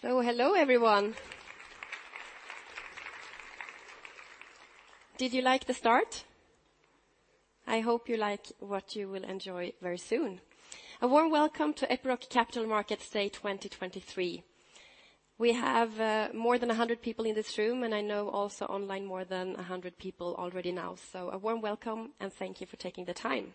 Hello, everyone. Did you like the start? I hope you like what you will enjoy very soon. A warm welcome to Epiroc Capital Markets Day 2023. We have more than 100 people in this room, and I know also online more than 100 people already now. A warm welcome, and thank you for taking the time.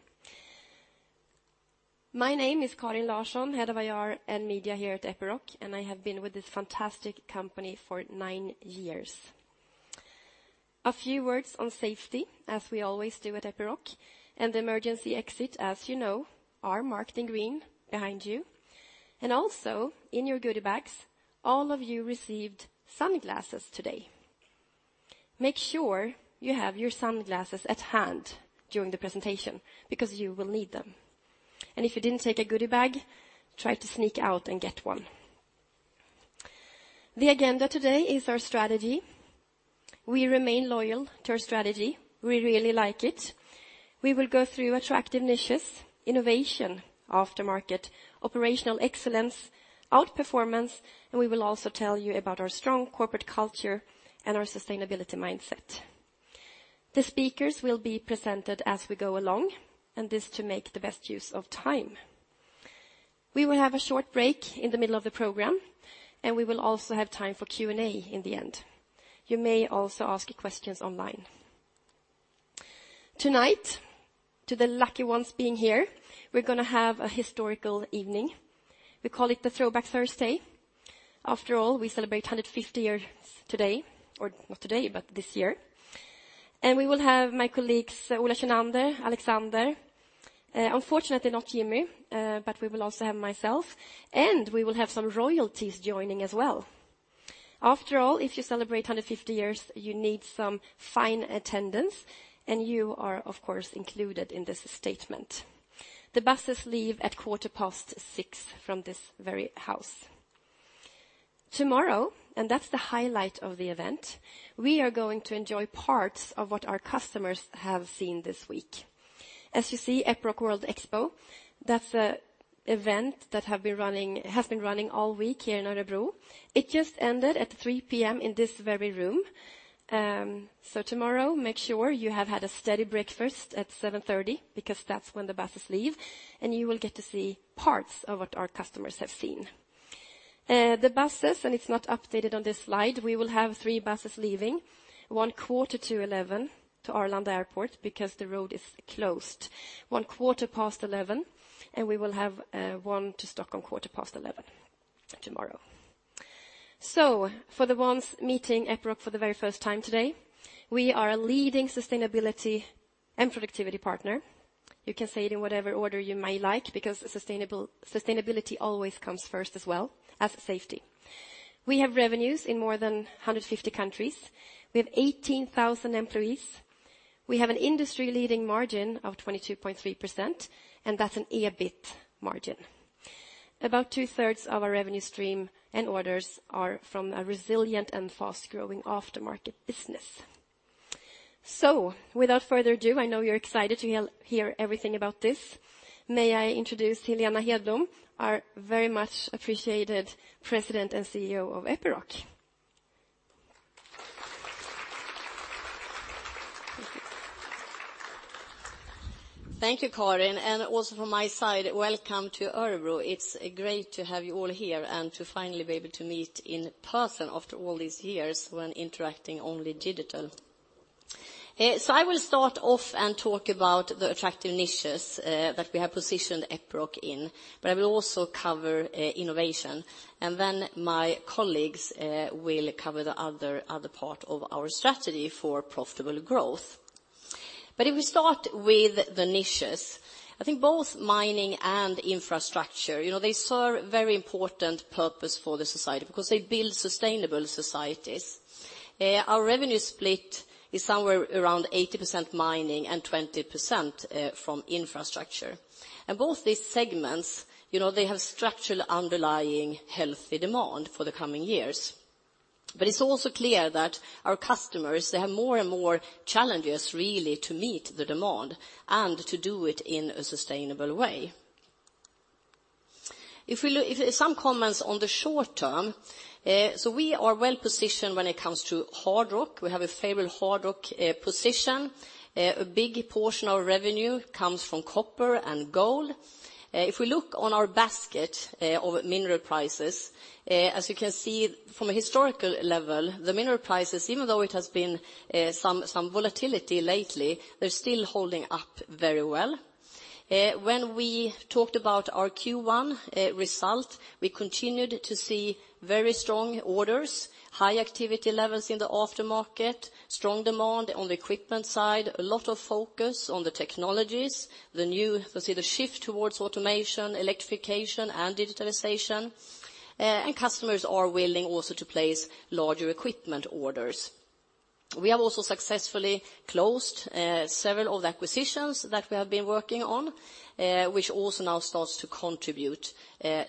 My name is Karin Larsson, Head of IR and Media here at Epiroc, and I have been with this fantastic company for nine years. A few words on safety, as we always do at Epiroc, and the emergency exit, as you know, are marked in green behind you. Also, in your goodie bags, all of you received sunglasses today. Make sure you have your sunglasses at hand during the presentation, because you will need them. If you didn't take a goodie bag, try to sneak out and get one. The agenda today is our strategy. We remain loyal to our strategy. We really like it. We will go through attractive niches, innovation, aftermarket, operational excellence, outperformance, and we will also tell you about our strong corporate culture and our sustainability mindset. The speakers will be presented as we go along, and this to make the best use of time. We will have a short break in the middle of the program, and we will also have time for Q&A in the end. You may also ask questions online. Tonight, to the lucky ones being here, we're gonna have a historical evening. We call it the Throwback Thursday. After all, we celebrate 150 years today, or not today, but this year. We will have my colleagues, Ola Kinnander, Alexander, unfortunately not Jimmy, we will also have myself, and we will have some royalties joining as well. After all, if you celebrate 150 years, you need some fine attendance, you are, of course, included in this statement. The buses leave at 6:15 A.M. from this very house. Tomorrow, that's the highlight of the event, we are going to enjoy parts of what our customers have seen this week. As you see, Epiroc World Expo, that's a event that has been running all week here in Örebro. It just ended at 3:00 P.M. in this very room. Tomorrow, make sure you have had a steady breakfast at 7:30 A.M., because that's when the buses leave, you will get to see parts of what our customers have seen. The buses, it's not updated on this slide, we will have three buses leaving, one quarter to eleven to Arlanda Airport, because the road is closed. One quarter past eleven, we will have 1 to Stockholm quarter past eleven tomorrow. For the ones meeting Epiroc for the very first time today, we are a leading sustainability and productivity partner. You can say it in whatever order you may like, because sustainability always comes first as well as safety. We have revenues in more than 150 countries. We have 18,000 employees. We have an industry-leading margin of 22.3%, that's an EBIT margin. About 2/3 of our revenue stream and orders are from a resilient and fast-growing aftermarket business. Without further ado, I know you're excited to hear everything about this, may I introduce Helena Hedblom, our very much appreciated President and CEO of Epiroc. Thank you, Karin. Also from my side, welcome to Örebro. It's great to have you all here and to finally be able to meet in person after all these years when interacting only digital. I will start off and talk about the attractive niches that we have positioned Epiroc in, but I will also cover innovation, and then my colleagues will cover the other part of our strategy for profitable growth. If we start with the niches, I think both mining and infrastructure, you know, they serve a very important purpose for the society because they build sustainable societies. Our revenue split is somewhere around 80% mining and 20% from infrastructure. Both these segments, you know, they have structural underlying healthy demand for the coming years. It's also clear that our customers, they have more and more challenges really to meet the demand and to do it in a sustainable way. Some comments on the short term, so we are well positioned when it comes to hard rock. We have a favorable hard rock position. A big portion of revenue comes from copper and gold. If we look on our basket of mineral prices, as you can see from a historical level, the mineral prices, even though it has been some volatility lately, they're still holding up very well. When we talked about our Q1 result, we continued to see very strong orders, high activity levels in the aftermarket, strong demand on the equipment side, a lot of focus on the technologies, the new, you can say, the shift towards automation, electrification, and digitalization. Customers are willing also to place larger equipment orders. We have also successfully closed several of the acquisitions that we have been working on, which also now starts to contribute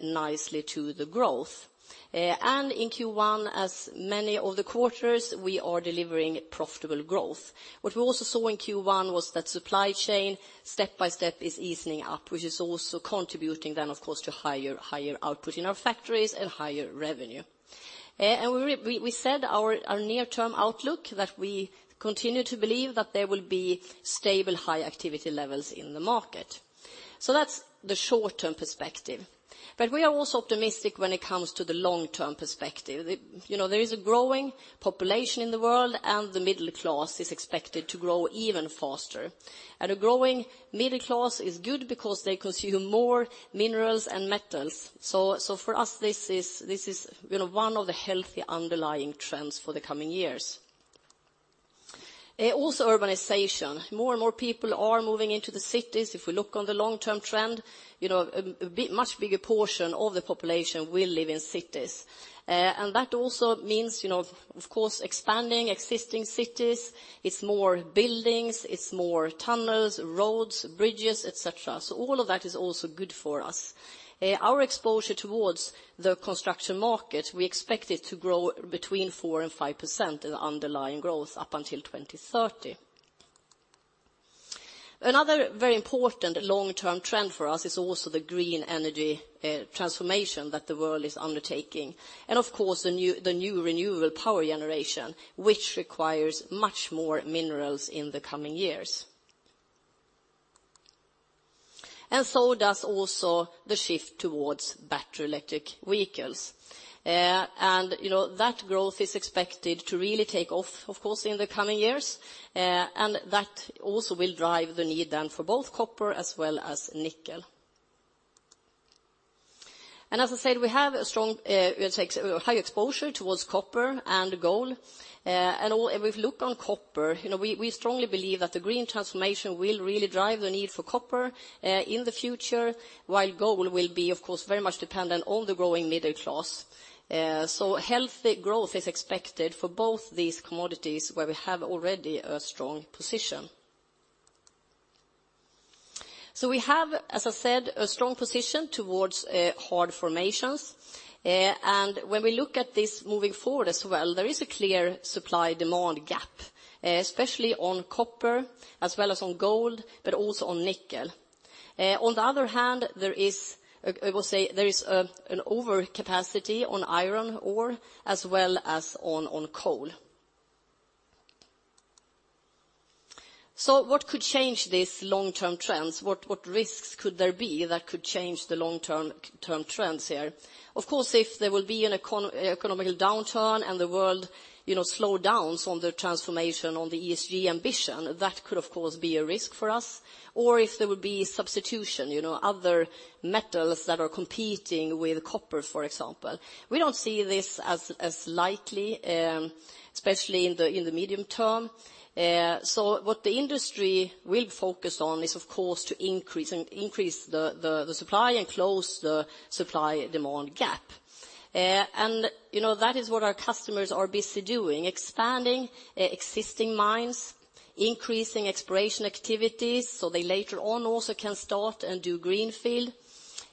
nicely to the growth. In Q1, as many of the quarters, we are delivering profitable growth. What we also saw in Q1 was that supply chain, step by step, is easing up, which is also contributing then, of course, to higher output in our factories and higher revenue. We said our near-term outlook, that we continue to believe that there will be stable, high activity levels in the market. That's the short-term perspective. We are also optimistic when it comes to the long-term perspective. You know, there is a growing population in the world. The middle class is expected to grow even faster. A growing middle class is good because they consume more minerals and metals, for us, this is, you know, one of the healthy underlying trends for the coming years. Also urbanization. More and more people are moving into the cities. If we look on the long-term trend, you know, much bigger portion of the population will live in cities. That also means, you know, of course, expanding existing cities, it's more buildings, it's more tunnels, roads, bridges, et cetera. All of that is also good for us. Our exposure towards the construction market, we expect it to grow between 4% and 5% in underlying growth up until 2030. Another very important long-term trend for us is also the green energy transformation that the world is undertaking, and of course, the new renewable power generation, which requires much more minerals in the coming years. Does also the shift towards battery electric vehicles. You know, that growth is expected to really take off, of course, in the coming years, that also will drive the need then for both copper as well as nickel. As I said, we have a strong, a high exposure towards copper and gold. If we look on copper, you know, we strongly believe that the green transformation will really drive the need for copper in the future, while gold will be, of course, very much dependent on the growing middle class. Healthy growth is expected for both these commodities, where we have already a strong position. We have, as I said, a strong position towards hard formations. When we look at this moving forward as well, there is a clear supply-demand gap, especially on copper as well as on gold, but also on nickel. On the other hand, there is, I will say, there is an overcapacity on iron ore as well as on coal. What could change these long-term trends? What risks could there be that could change the long-term trends here? Of course, if there will be an economical downturn and the world, you know, slow downs on the transformation, on the ESG ambition, that could, of course, be a risk for us. If there will be substitution, you know, other metals that are competing with copper, for example. We don't see this as likely, especially in the medium term. What the industry will focus on is, of course, to increase the supply and close the supply-demand gap. You know, that is what our customers are busy doing, expanding existing mines, increasing exploration activities, so they later on also can start and do greenfield.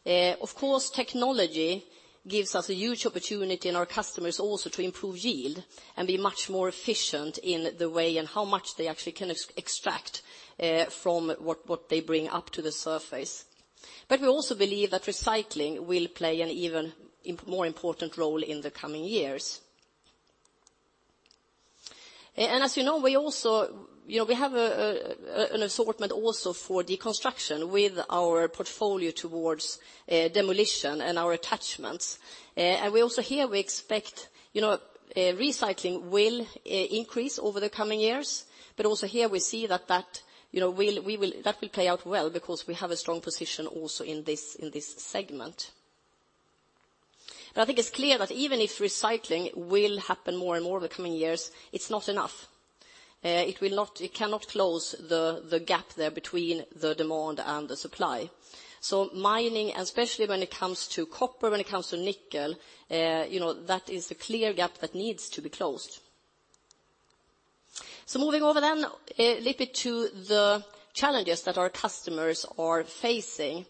Of course, technology gives us a huge opportunity and our customers also to improve yield and be much more efficient in the way and how much they actually can extract from what they bring up to the surface. We also believe that recycling will play an even more important role in the coming years. As you know, we also. You know, we have an assortment also for deconstruction with our portfolio towards demolition and our attachments. We also here, we expect, you know, recycling will increase over the coming years, also here we see that, you know, that will play out well because we have a strong position also in this, in this segment. I think it's clear that even if recycling will happen more and more in the coming years, it's not enough. It cannot close the gap there between the demand and the supply. Mining, especially when it comes to copper, when it comes to nickel, you know, that is a clear gap that needs to be closed. Moving over then, a little bit to the challenges that our customers are facing.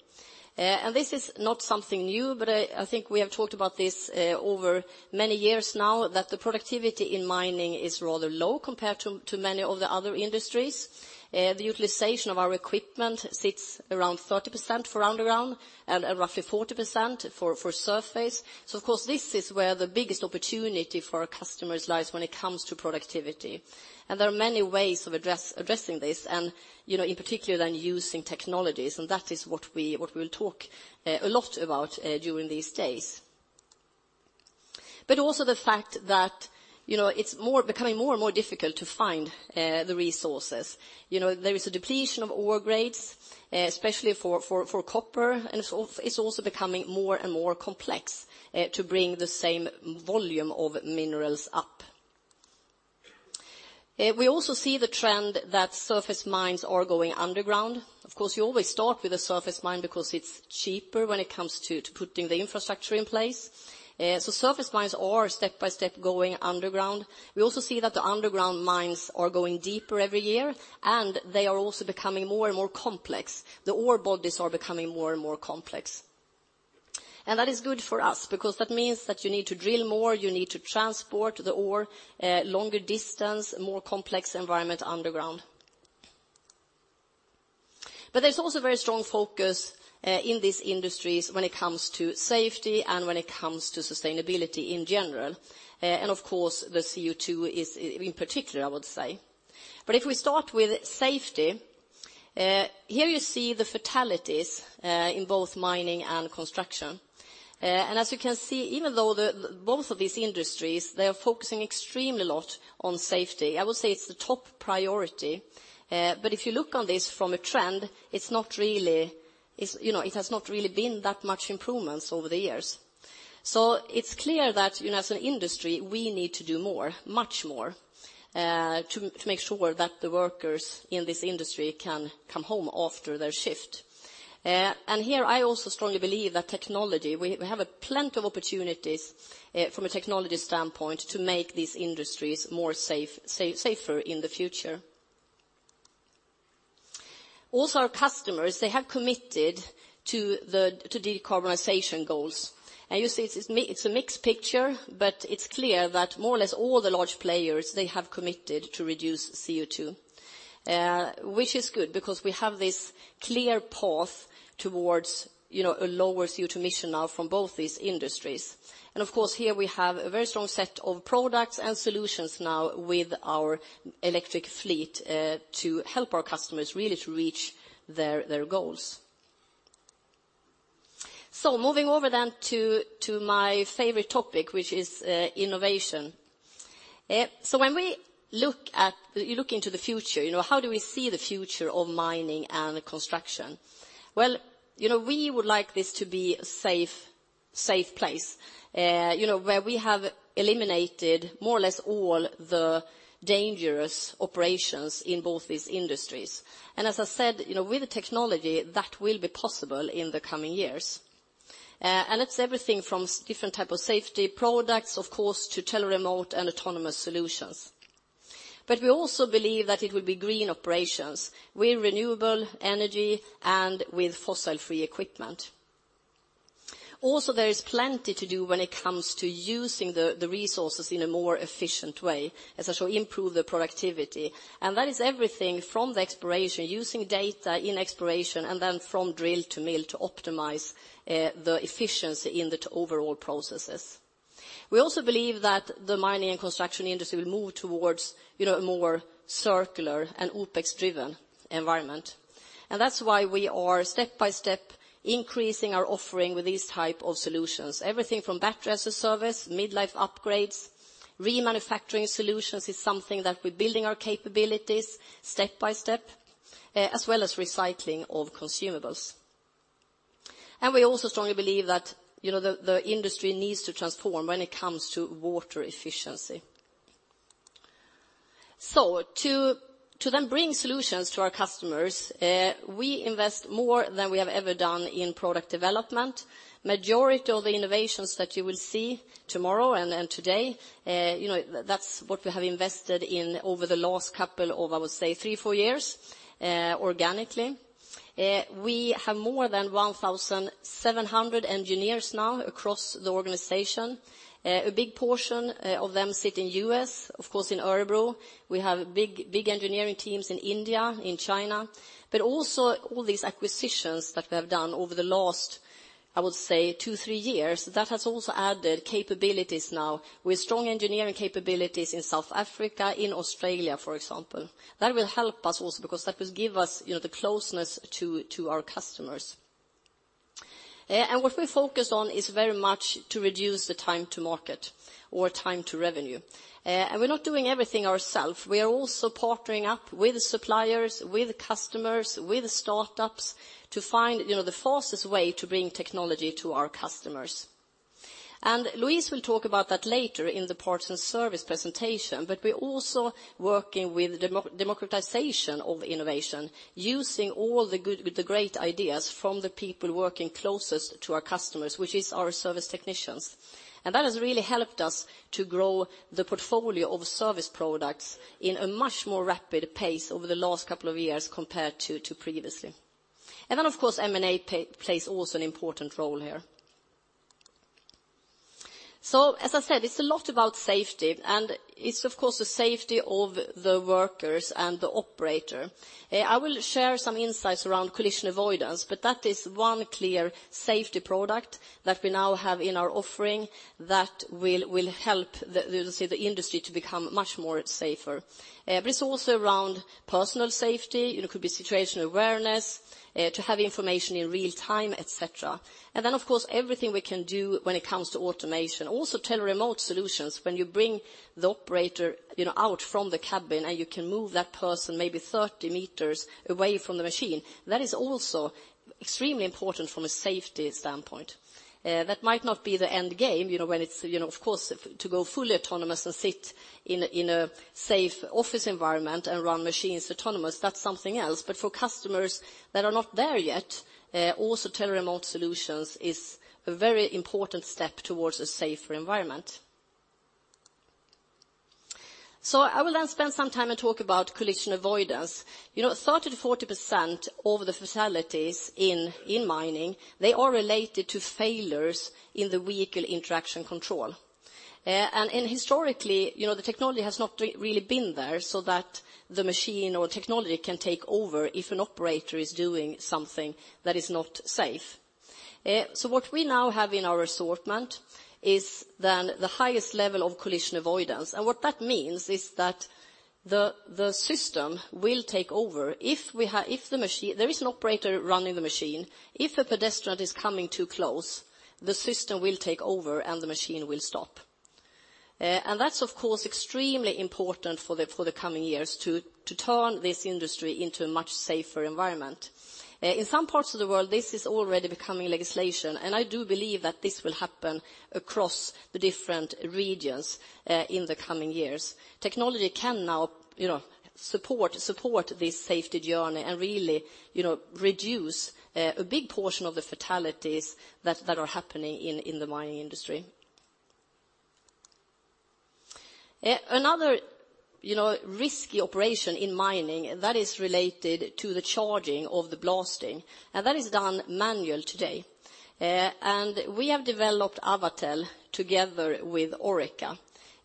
This is not something new, but I think we have talked about this over many years now, that the productivity in mining is rather low compared to many of the other industries. The utilization of our equipment sits around 30% for underground and roughly 40% for surface. Of course, this is where the biggest opportunity for our customers lies when it comes to productivity. There are many ways of addressing this and, you know, in particular than using technologies, and that is what we will talk a lot about during these days. Also the fact that, you know, it's becoming more and more difficult to find the resources. There is a depletion of ore grades, especially for copper, and it's also becoming more and more complex to bring the same volume of minerals up. We also see the trend that surface mines are going underground. Of course, you always start with a surface mine because it's cheaper when it comes to putting the infrastructure in place. Surface mines are step by step going underground. We also see that the underground mines are going deeper every year, and they are also becoming more and more complex. The ore bodies are becoming more and more complex. That is good for us, because that means that you need to drill more, you need to transport the ore, longer distance, more complex environment underground. There's also a very strong focus in these industries when it comes to safety and when it comes to sustainability in general. Of course, the CO2 is in particular, I would say. If we start with safety, here you see the fatalities in both mining and construction. As you can see, even though both of these industries, they are focusing extremely lot on safety, I would say it's the top priority. If you look on this from a trend, it's not really, you know, it has not really been that much improvements over the years. It's clear that, you know, as an industry, we need to do more, much more, to make sure that the workers in this industry can come home after their shift. Here, I also strongly believe that technology, we have a plenty of opportunities, from a technology standpoint, to make these industries more safer in the future. Also, our customers, they have committed to decarbonization goals. You see, it's a mixed picture, but it's clear that more or less all the large players, they have committed to reduce CO2. Which is good, because we have this clear path towards, you know, a lower CO2 emission now from both these industries. Of course, here we have a very strong set of products and solutions now with our electric fleet, to help our customers really to reach their goals. Moving over then to my favorite topic, which is innovation. When we look into the future, you know, how do we see the future of mining and construction? Well, you know, we would like this to be a safe place, you know, where we have eliminated more or less all the dangerous operations in both these industries. As I said, you know, with the technology, that will be possible in the coming years. It's everything from different type of safety products, of course, to tele-remote and autonomous solutions. We also believe that it will be green operations, with renewable energy and with fossil-free equipment. There is plenty to do when it comes to using the resources in a more efficient way, as I show, improve the productivity. That is everything from the exploration, using data in exploration, and then from drill to mill to optimize the efficiency in the overall processes. We also believe that the mining and construction industry will move towards, you know, a more circular and OpEx-driven environment. That's why we are step-by-step increasing our offering with these type of solutions. Everything from Batteries as a Service, midlife upgrades, remanufacturing solutions is something that we're building our capabilities step-by-step, as well as recycling of consumables. We also strongly believe that, you know, the industry needs to transform when it comes to water efficiency. To then bring solutions to our customers, we invest more than we have ever done in product development. Majority of the innovations that you will see tomorrow and today, you know, that's what we have invested in over the last couple of, I would say, three, four years, organically. We have more than 1,700 engineers now across the organization. A big portion of them sit in U.S., of course, in Örebro. We have big engineering teams in India, in China, but also all these acquisitions that we have done over the last, I would say, two, three years, that has also added capabilities now. With strong engineering capabilities in South Africa, in Australia, for example. That will help us also because that will give us, you know, the closeness to our customers. What we focus on is very much to reduce the time to market or time to revenue. We're not doing everything ourself. We are also partnering up with suppliers, with customers, with startups to find, you know, the fastest way to bring technology to our customers. Louise will talk about that later in the Parts and Services presentation, but we're also working with democratization of innovation, using all the good, the great ideas from the people working closest to our customers, which is our service technicians. That has really helped us to grow the portfolio of service products in a much more rapid pace over the last couple of years compared to previously. Then, of course, M&A plays also an important role here. As I said, it's a lot about safety, and it's, of course, the safety of the workers and the operator. I will share some insights around collision avoidance, but that is one clear safety product that we now have in our offering that will help the industry to become much more safer. But it's also around personal safety, you know, could be situational awareness, to have information in real time, et cetera. And then, of course, everything we can do when it comes to automation, also tele-remote solutions. When you bring the operator, you know, out from the cabin, and you can move that person maybe 30 meters away from the machine, that is also extremely important from a safety standpoint. That might not be the end game, you know, when it's, you know, of course, to go fully autonomous and sit in a safe office environment and run machines autonomous, that's something else. For customers that are not there yet, also, tele-remote solutions is a very important step towards a safer environment. I will then spend some time and talk about collision avoidance. You know, 30%-40% of the fatalities in mining, they are related to failures in the vehicle interaction control. And historically, you know, the technology has not really been there so that the machine or technology can take over if an operator is doing something that is not safe. What we now have in our assortment is then the highest level of collision avoidance, and what that means is that the system will take over. There is an operator running the machine, if a pedestrian is coming too close, the system will take over, and the machine will stop. That's, of course, extremely important for the coming years to turn this industry into a much safer environment. In some parts of the world, this is already becoming legislation, and I do believe that this will happen across the different regions in the coming years. Technology can now, you know, support this safety journey and really, you know, reduce a big portion of the fatalities that are happening in the mining industry. Another, you know, risky operation in mining, that is related to the charging of the blasting, that is done manual today. We have developed Avatel together with Orica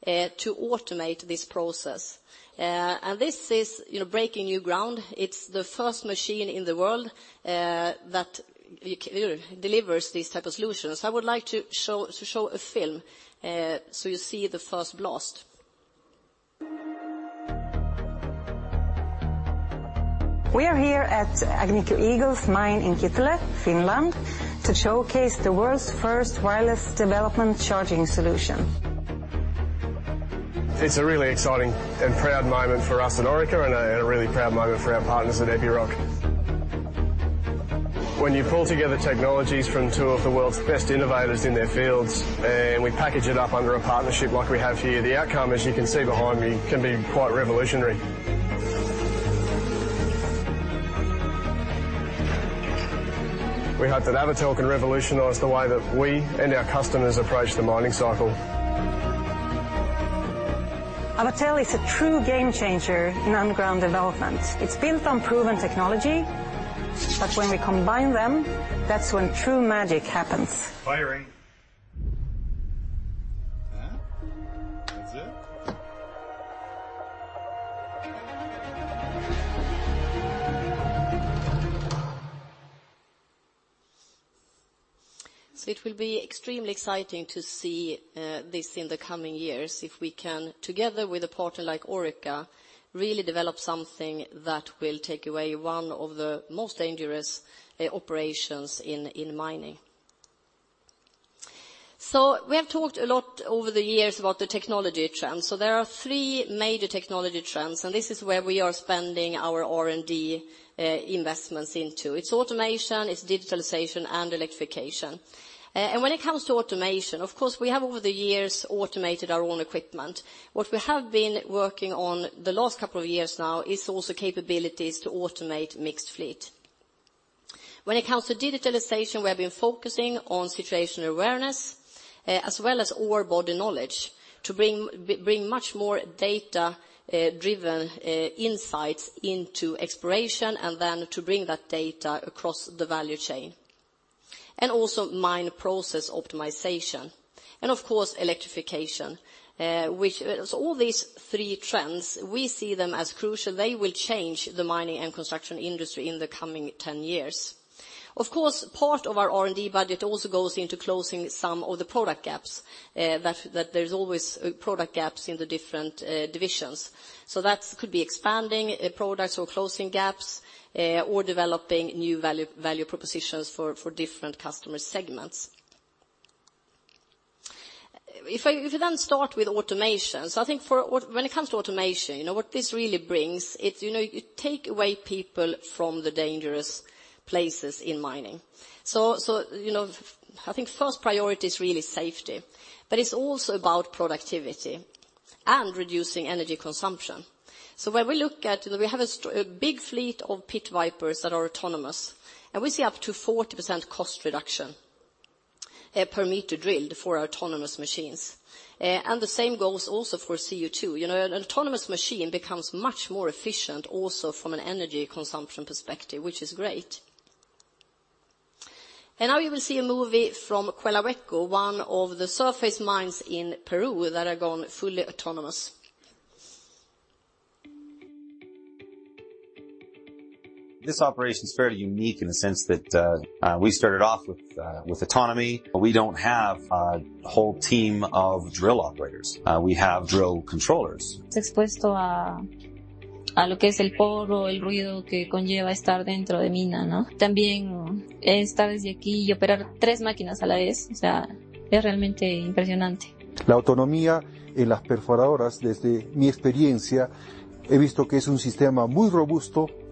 to automate this process. This is, you know, breaking new ground. It's the first machine in the world that delivers these type of solutions. I would like to show a film, so you see the first blast. We are here at Agnico Eagle's mine in Kittilä, Finland, to showcase the world's first wireless development charging solution. It's a really exciting and proud moment for us at Orica, and a really proud moment for our partners at Epiroc. When you pull together technologies from two of the world's best innovators in their fields, and we package it up under a partnership like we have here, the outcome, as you can see behind me, can be quite revolutionary. We hope that Avatel can revolutionize the way that we and our customers approach the mining cycle. Avatel is a true game changer in underground development. It's built on proven technology. When we combine them, that's when true magic happens. Firing. That's it? It will be extremely exciting to see this in the coming years, if we can, together with a partner like Orica, really develop something that will take away one of the most dangerous operations in mining. We have talked a lot over the years about the technology trends. There are three major technology trends, and this is where we are spending our R&D investments into. It's automation, it's digitalization, and electrification. When it comes to automation, of course, we have over the years automated our own equipment. What we have been working on the last couple of years now is also capabilities to automate mixed fleet. When it comes to digitalization, we have been focusing on situational awareness, as well as ore body knowledge, to bring much more data driven insights into exploration, and then to bring that data across the value chain, and also mine process optimization. Of course, electrification, which... All these three trends, we see them as crucial. They will change the mining and construction industry in the coming 10 years. Of course, part of our R&D budget also goes into closing some of the product gaps, that there's always product gaps in the different divisions. That could be expanding products or closing gaps or developing new value propositions for different customer segments. If we start with automation, I think for when it comes to automation, you know, what this really brings is, you know, you take away people from the dangerous places in mining. You know, I think first priority is really safety, but it's also about productivity and reducing energy consumption. When we look at... We have a big fleet of Pit Vipers that are autonomous, we see up to 40% cost reduction per meter drilled for autonomous machines. The same goes also for CO2. You know, an autonomous machine becomes much more efficient also from an energy consumption perspective, which is great. Now you will see a movie from Quellaveco, one of the surface mines in Peru that have gone fully autonomous. This operation is fairly unique in the sense that we started off with autonomy, but we don't have a whole team of drill operators. We have drill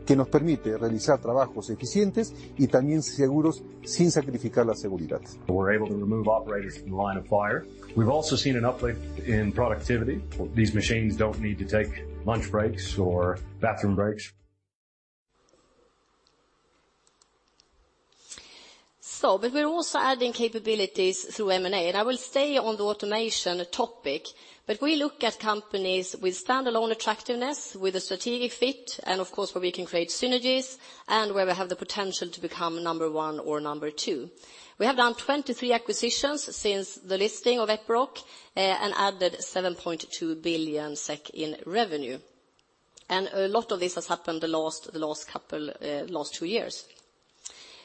controllers. We're able to remove operators from the line of fire. We've also seen an uplift in productivity. These machines don't need to take lunch breaks or bathroom breaks. We're also adding capabilities through M&A, and I will stay on the automation topic, but we look at companies with standalone attractiveness, with a strategic fit, and of course, where we can create synergies and where we have the potential to become number one or number two. We have done 23 acquisitions since the listing of Epiroc, and added 7.2 billion SEK in revenue. A lot of this has happened the last couple, last two years.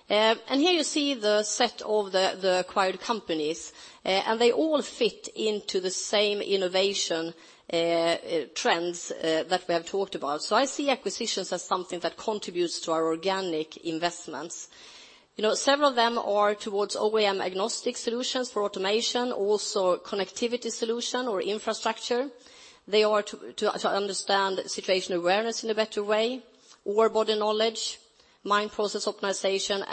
Here you see the set of the acquired companies, and they all fit into the same innovation trends that we have talked about. I see acquisitions as something that contributes to our organic investments. You know, several of them are towards OEM-agnostic solutions for automation, also connectivity solution or infrastructure. They are to understand situational awareness in a better way, onboard the knowledge, mine process optimization,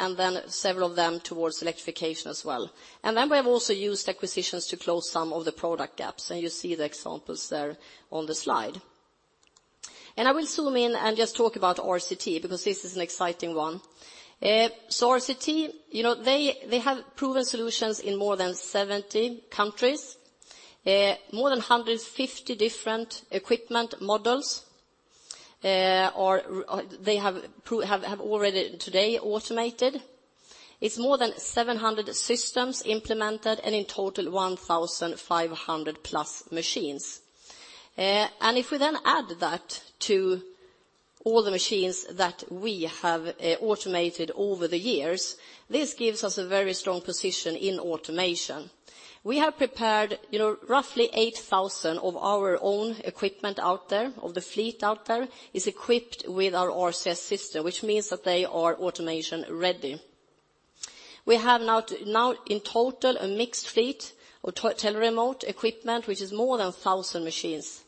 several of them towards electrification as well. We have also used acquisitions to close some of the product gaps, and you see the examples there on the slide. I will zoom in and just talk about RCT, because this is an exciting one. RCT, you know, they have proven solutions in more than 70 countries. More than 150 different equipment models, or, they have already today automated. It's more than 700 systems implemented, and in total 1,500+ machines. If we then add that to all the machines that we have automated over the years, this gives us a very strong position in automation. We have prepared, you know, roughly 8,000 of our own equipment out there, of the fleet out there, is equipped with our RCS system, which means that they are automation-ready. We have now in total, a mixed fleet of tele-remote equipment, which is more than 1,000 machines.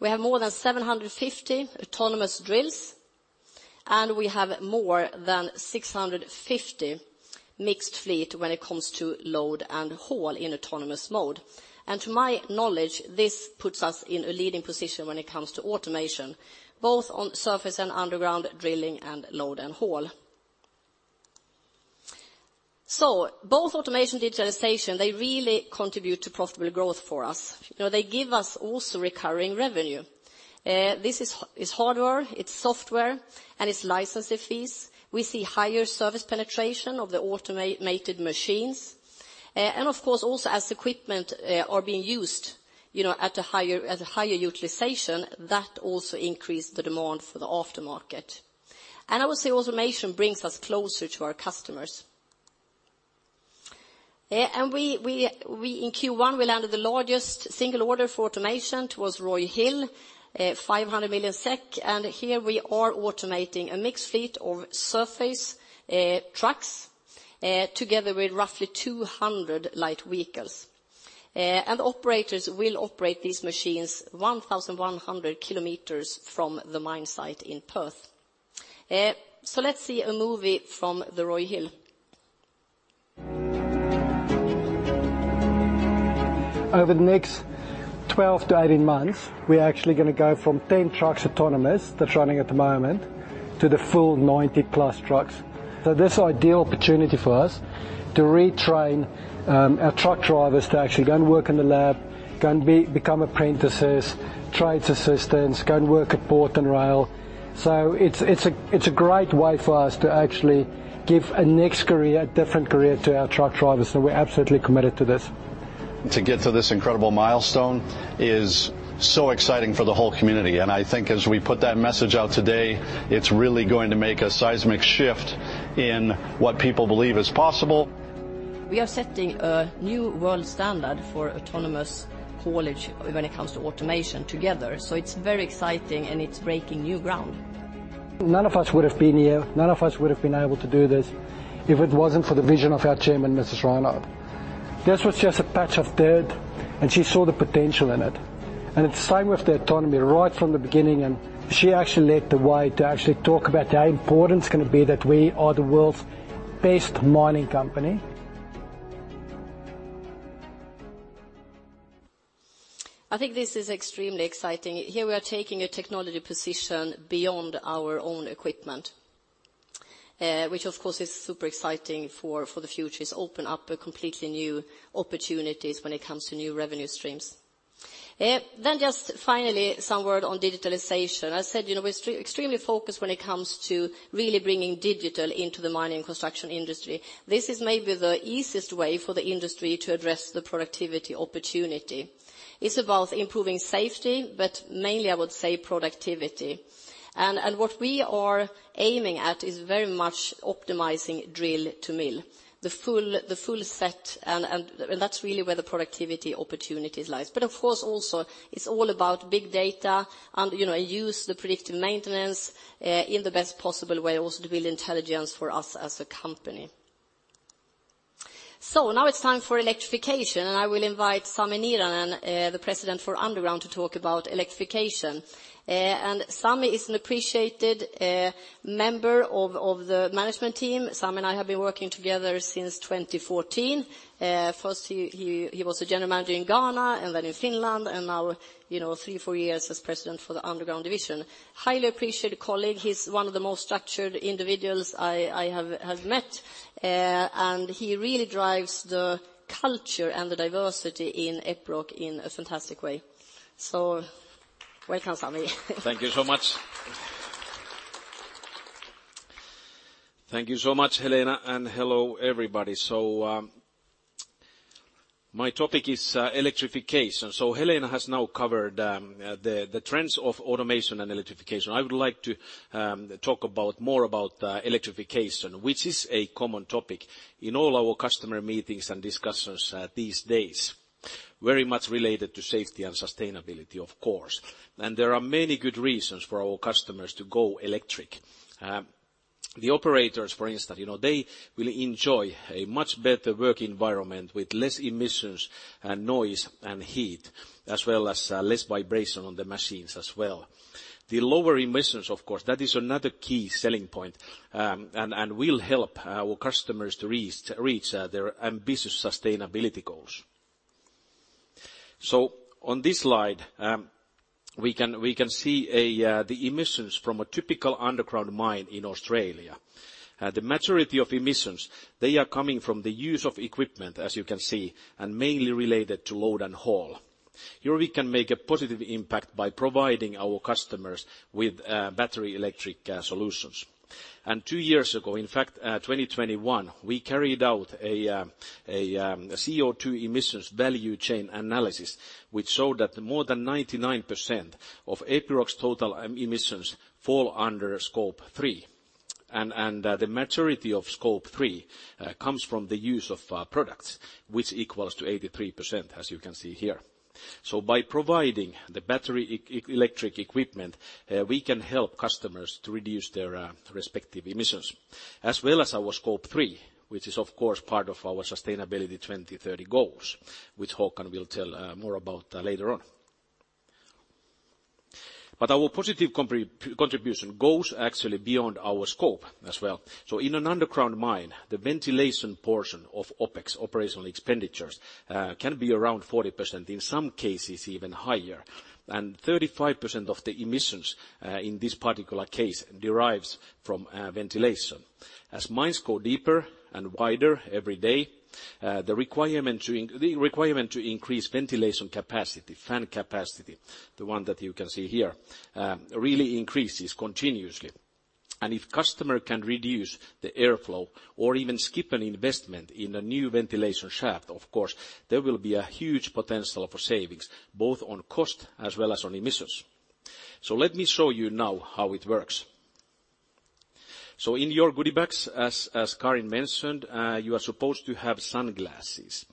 We have more than 750 autonomous drills, and we have more than 650 mixed fleet when it comes to load and haul in autonomous mode. To my knowledge, this puts us in a leading position when it comes to automation, both on surface and underground drilling, and load and haul. Both automation, digitalization, they really contribute to profitable growth for us. You know, they give us also recurring revenue. This is hardware, it's software, and it's licensing fees. We see higher service penetration of the automated machines. Of course, also as equipment are being used at a higher utilization, that also increase the demand for the aftermarket. I would say automation brings us closer to our customers. In Q1, we landed the largest single order for automation. It was Roy Hill, 500 million SEK, here we are automating a mixed fleet of surface trucks together with roughly 200 light vehicles. Operators will operate these machines 1,100 kilometers from the mine site in Perth. Let's see a movie from the Roy Hill. Over the next 12 to 18 months, we're actually gonna go from 10 trucks autonomous, that's running at the moment, to the full 90-plus trucks. This is ideal opportunity for us to retrain our truck drivers to actually go and work in the lab, go and become apprentices, trades assistants, go and work at port and rail. It's, it's a, it's a great way for us to actually give a next career, a different career to our truck drivers, so we're absolutely committed to this. To get to this incredible milestone is so exciting for the whole community, and I think as we put that message out today, it's really going to make a seismic shift in what people believe is possible. We are setting a new world standard for autonomous haulage when it comes to automation together. It's very exciting and it's breaking new ground. None of us would have been here, none of us would have been able to do this if it wasn't for the vision of our chairman, Gina Rinehart. This was just a patch of dirt, she saw the potential in it. It's the same with the autonomy, right from the beginning, she actually led the way to actually talk about how important it's gonna be that we are the world's best mining company. I think this is extremely exciting. Here we are taking a technology position beyond our own equipment, which of course is super exciting for the future. It's opened up a completely new opportunities when it comes to new revenue streams. Then just finally, some word on digitalization. I said, you know, we're extremely focused when it comes to really bringing digital into the mining construction industry. This is maybe the easiest way for the industry to address the productivity opportunity. It's about improving safety, but mainly, I would say, productivity. What we are aiming at is very much optimizing drill to mill, the full set, and that's really where the productivity opportunities lies. Of course, also, it's all about big data and, you know, use the predictive maintenance in the best possible way, also to build intelligence for us as a company. Now it's time for electrification, and I will invite Sami Niiranen, the President for Underground, to talk about electrification. Sami is an appreciated member of the management team. Sami and I have been working together since 2014. First, he was a general manager in Ghana, and then in Finland, and now, you know, three, four years as president for the Underground division. Highly appreciated colleague. He's one of the most structured individuals I have met, and he really drives the culture and the diversity in Epiroc in a fantastic way. Welcome, Sami. Thank you so much. Thank you so much, Helena, and hello, everybody. My topic is electrification. Helena has now covered the trends of automation and electrification. I would like to talk more about electrification, which is a common topic in all our customer meetings and discussions these days. Very much related to safety and sustainability, of course. There are many good reasons for our customers to go electric. The operators, for instance, you know, they will enjoy a much better work environment with less emissions and noise and heat, as well as less vibration on the machines as well. The lower emissions, of course, that is another key selling point, and will help our customers to reach their ambitious sustainability goals. On this slide, we can see the emissions from a typical underground mine in Australia. The majority of emissions, they are coming from the use of equipment, as you can see, and mainly related to load and haul. Here we can make a positive impact by providing our customers with battery electric solutions. 2 years ago, in fact, 2021, we carried out a CO2 emissions value chain analysis, which showed that more than 99% of Epiroc's total emissions fall under Scope 3. The majority of Scope 3 comes from the use of products, which equals to 83%, as you can see here. By providing the battery electric equipment, we can help customers to reduce their respective emissions, as well as our Scope 3, which is, of course, part of our 2030 sustainability goals, which Håkan will tell more about later on. Our positive contribution goes actually beyond our scope as well. In an underground mine, the ventilation portion of OpEx, operational expenditures, can be around 40%, in some cases, even higher, and 35% of the emissions, in this particular case, derives from ventilation. As mines go deeper and wider every day, the requirement to increase ventilation capacity, fan capacity, the one that you can see here, really increases continuously. If customer can reduce the airflow or even skip an investment in a new ventilation shaft, of course, there will be a huge potential for savings, both on cost as well as on emissions. Let me show you now how it works. In your goodie bags, as Karin mentioned, you are supposed to have sunglasses,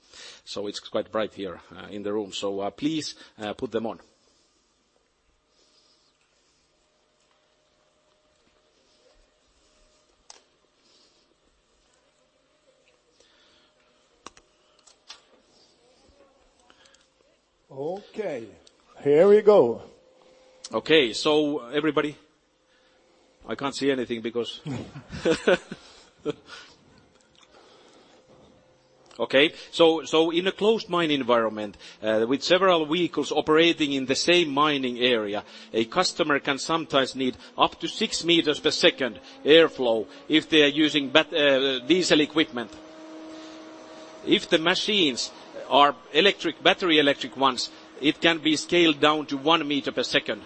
so it's quite bright here in the room. Please put them on. Okay, here we go. Everybody... I can't see anything because. In a closed mine environment, with several vehicles operating in the same mining area, a customer can sometimes need up to 6 meters per second airflow if they are using bat, diesel equipment. If the machines are electric, battery electric ones, it can be scaled down to 1 meter per second.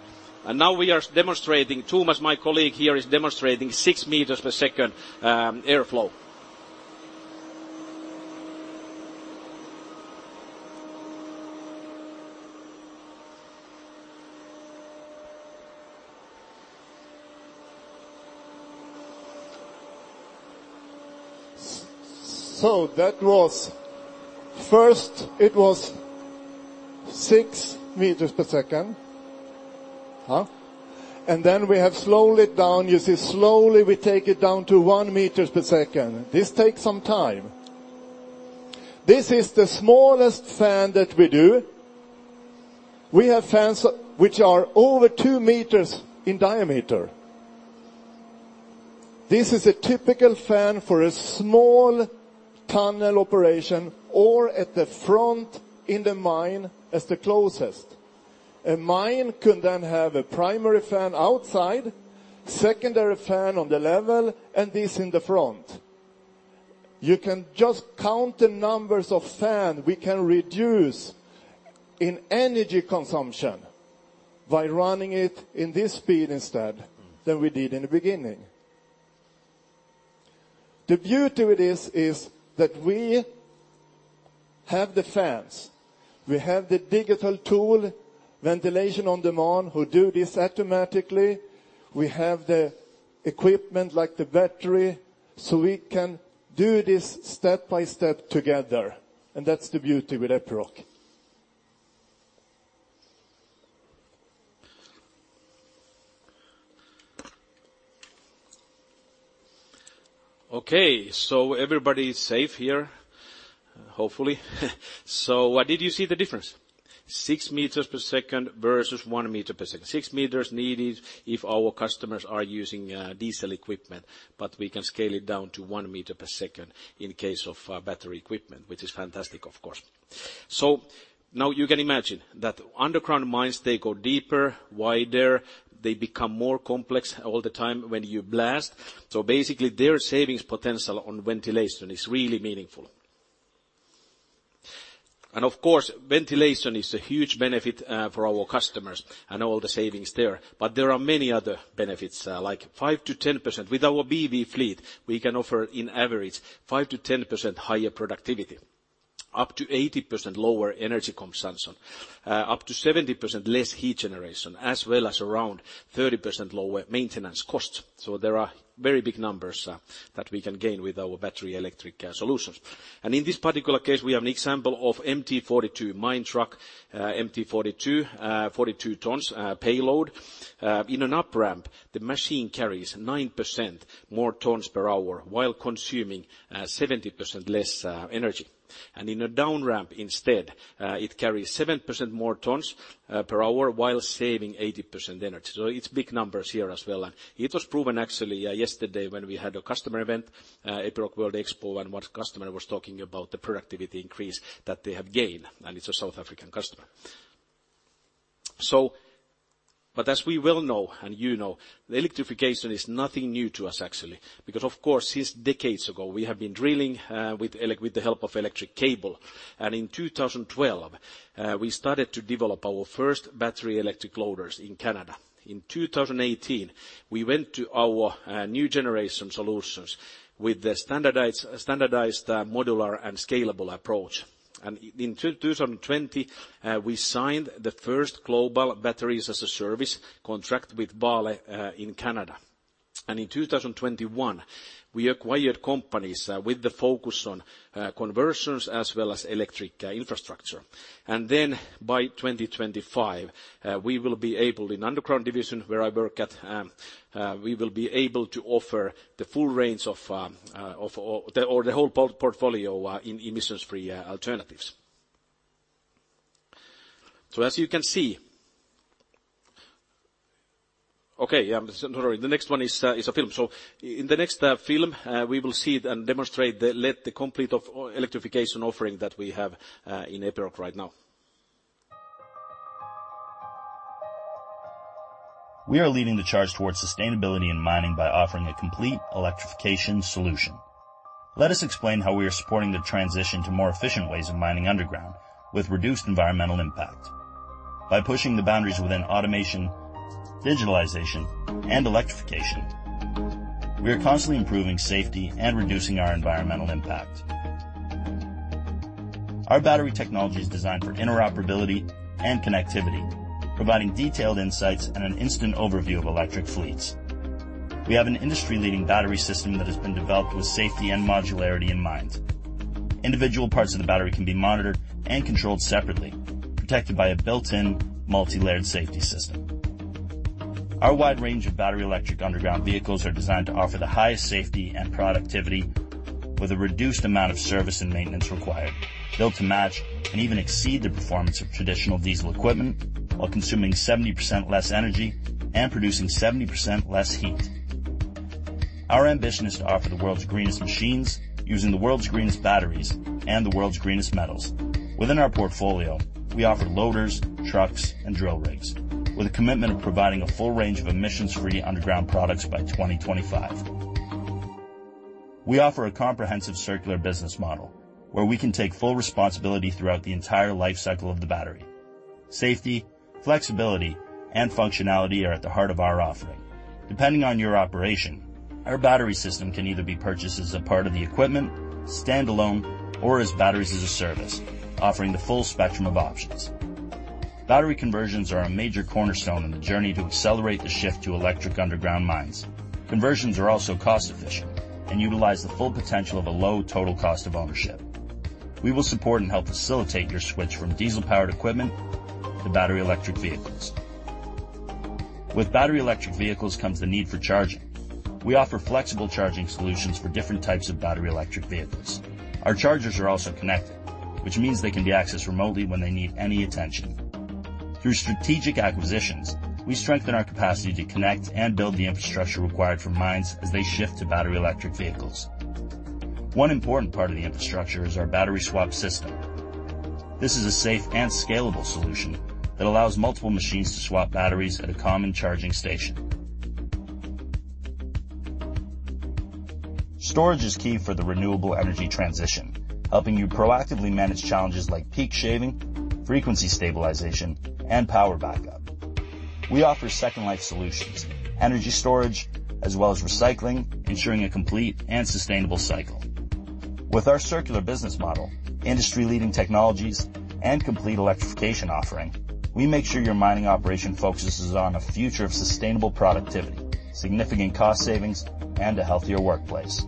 Now we are demonstrating, Thomas, my colleague here, is demonstrating 6 meters per second airflow. So that was, first it was 6 meters per second, huh. Then we have slowly down, you see, slowly we take it down to 1 meters per second. This takes some time. This is the smallest fan that we do. We have fans which are over 2 meters in diameter. This is a typical fan for a small tunnel operation or at the front in the mine as the closest. A mine could then have a primary fan outside, secondary fan on the level, and this in the front. You can just count the numbers of fan we can reduce in energy consumption by running it in this speed instead than we did in the beginning. The beauty with this is that we have the fans, we have the digital tool, ventilation on demand, who do this automatically. We have the equipment like the battery. We can do this step by step together. That's the beauty with Epiroc. Okay, everybody is safe here, hopefully. Did you see the difference? 6 meters per second versus 1 meter per second. 6 meters needed if our customers are using diesel equipment, but we can scale it down to 1 meter per second in case of battery equipment, which is fantastic, of course. Now you can imagine that underground mines, they go deeper, wider, they become more complex all the time when you blast. Basically, their savings potential on ventilation is really meaningful. Of course, ventilation is a huge benefit for our customers and all the savings there. But there are many other benefits, like 5%-10%. With our BV fleet, we can offer, in average, 5%-10% higher productivity, up to 80% lower energy consumption, up to 70% less heat generation, as well as around 30% lower maintenance costs. There are very big numbers that we can gain with our battery electric solutions. In this particular case, we have an example of MT42 mine truck, MT42, 42 tons payload. In an up-ramp, the machine carries 9% more tons per hour while consuming 70% less energy. In a down-ramp instead, it carries 7% more tons per hour while saving 80% energy. It's big numbers here as well. It was proven actually, yesterday, when we had a customer event, Epiroc World Expo, and one customer was talking about the productivity increase that they have gained, and it's a South African customer. As we well know, and you know, the electrification is nothing new to us actually. Of course, since decades ago, we have been drilling with the help of electric cable. In 2012, we started to develop our first battery electric loaders in Canada. In 2018, we went to our new generation solutions with the standardized, modular, and scalable approach. In 2020, we signed the first global Batteries as a Service contract with Vale in Canada. In 2021, we acquired companies, with the focus on, conversions as well as electric infrastructure. By 2025, we will be able, in Underground Division, where I work at, we will be able to offer the full range of or the whole portfolio, in emissions-free alternatives. As you can see... Okay, yeah, sorry, the next one is a film. In the next film, we will see it and demonstrate the complete electrification offering that we have in Epiroc right now. We are leading the charge towards sustainability in mining by offering a complete electrification solution. Let us explain how we are supporting the transition to more efficient ways of mining underground, with reduced environmental impact. By pushing the boundaries within automation, digitalization, and electrification, we are constantly improving safety and reducing our environmental impact. Our battery technology is designed for interoperability and connectivity, providing detailed insights and an instant overview of electric fleets. We have an industry-leading battery system that has been developed with safety and modularity in mind. Individual parts of the battery can be monitored and controlled separately, protected by a built-in multi-layered safety system. Our wide range of battery electric underground vehicles are designed to offer the highest safety and productivity, with a reduced amount of service and maintenance required, built to match and even exceed the performance of traditional diesel equipment, while consuming 70% less energy and producing 70% less heat. Our ambition is to offer the world's greenest machines, using the world's greenest batteries and the world's greenest metals. Within our portfolio, we offer loaders, trucks, and drill rigs, with a commitment of providing a full range of emissions-free underground products by 2025. We offer a comprehensive circular business model, where we can take full responsibility throughout the entire life cycle of the battery. Safety, flexibility, and functionality are at the heart of our offering. Depending on your operation, our battery system can either be purchased as a part of the equipment, standalone, or as Batteries as a Service, offering the full spectrum of options. Battery conversions are a major cornerstone in the journey to accelerate the shift to electric underground mines. Conversions are also cost-efficient and utilize the full potential of a low total cost of ownership. We will support and help facilitate your switch from diesel-powered equipment to battery electric vehicles. With battery electric vehicles comes the need for charging. We offer flexible charging solutions for different types of battery electric vehicles. Our chargers are also connected, which means they can be accessed remotely when they need any attention. Through strategic acquisitions, we strengthen our capacity to connect and build the infrastructure required for mines as they shift to battery electric vehicles. One important part of the infrastructure is our battery swap system. This is a safe and scalable solution that allows multiple machines to swap batteries at a common charging station. Storage is key for the renewable energy transition, helping you proactively manage challenges like peak shaving, frequency stabilization, and power backup. We offer second life solutions, energy storage, as well as recycling, ensuring a complete and sustainable cycle. With our circular business model, industry-leading technologies, and complete electrification offering, we make sure your mining operation focuses on a future of sustainable productivity, significant cost savings, and a healthier workplace.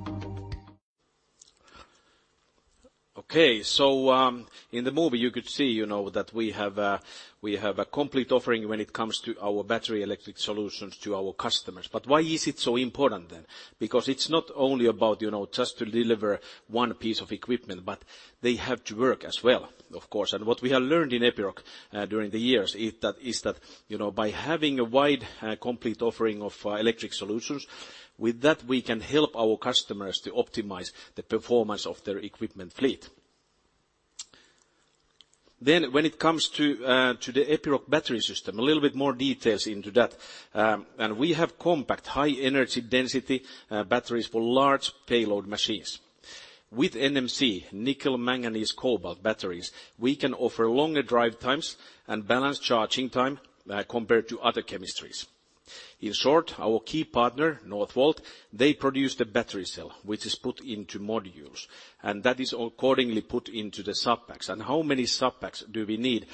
In the movie, you could see, you know, that we have a complete offering when it comes to our battery electric solutions to our customers. Why is it so important then? It's not only about, you know, just to deliver one piece of equipment, but they have to work as well, of course. What we have learned in Epiroc during the years is that, you know, by having a wide, complete offering of electric solutions, with that, we can help our customers to optimize the performance of their equipment fleet. When it comes to the Epiroc battery system, a little bit more details into that. We have compact, high energy density batteries for large payload machines. With NMC, nickel, manganese, cobalt batteries, we can offer longer drive times and balanced charging time, compared to other chemistries. In short, our key partner, Northvolt, they produce the battery cell, which is put into modules, and that is accordingly put into the subpacks. How many subpacks do we need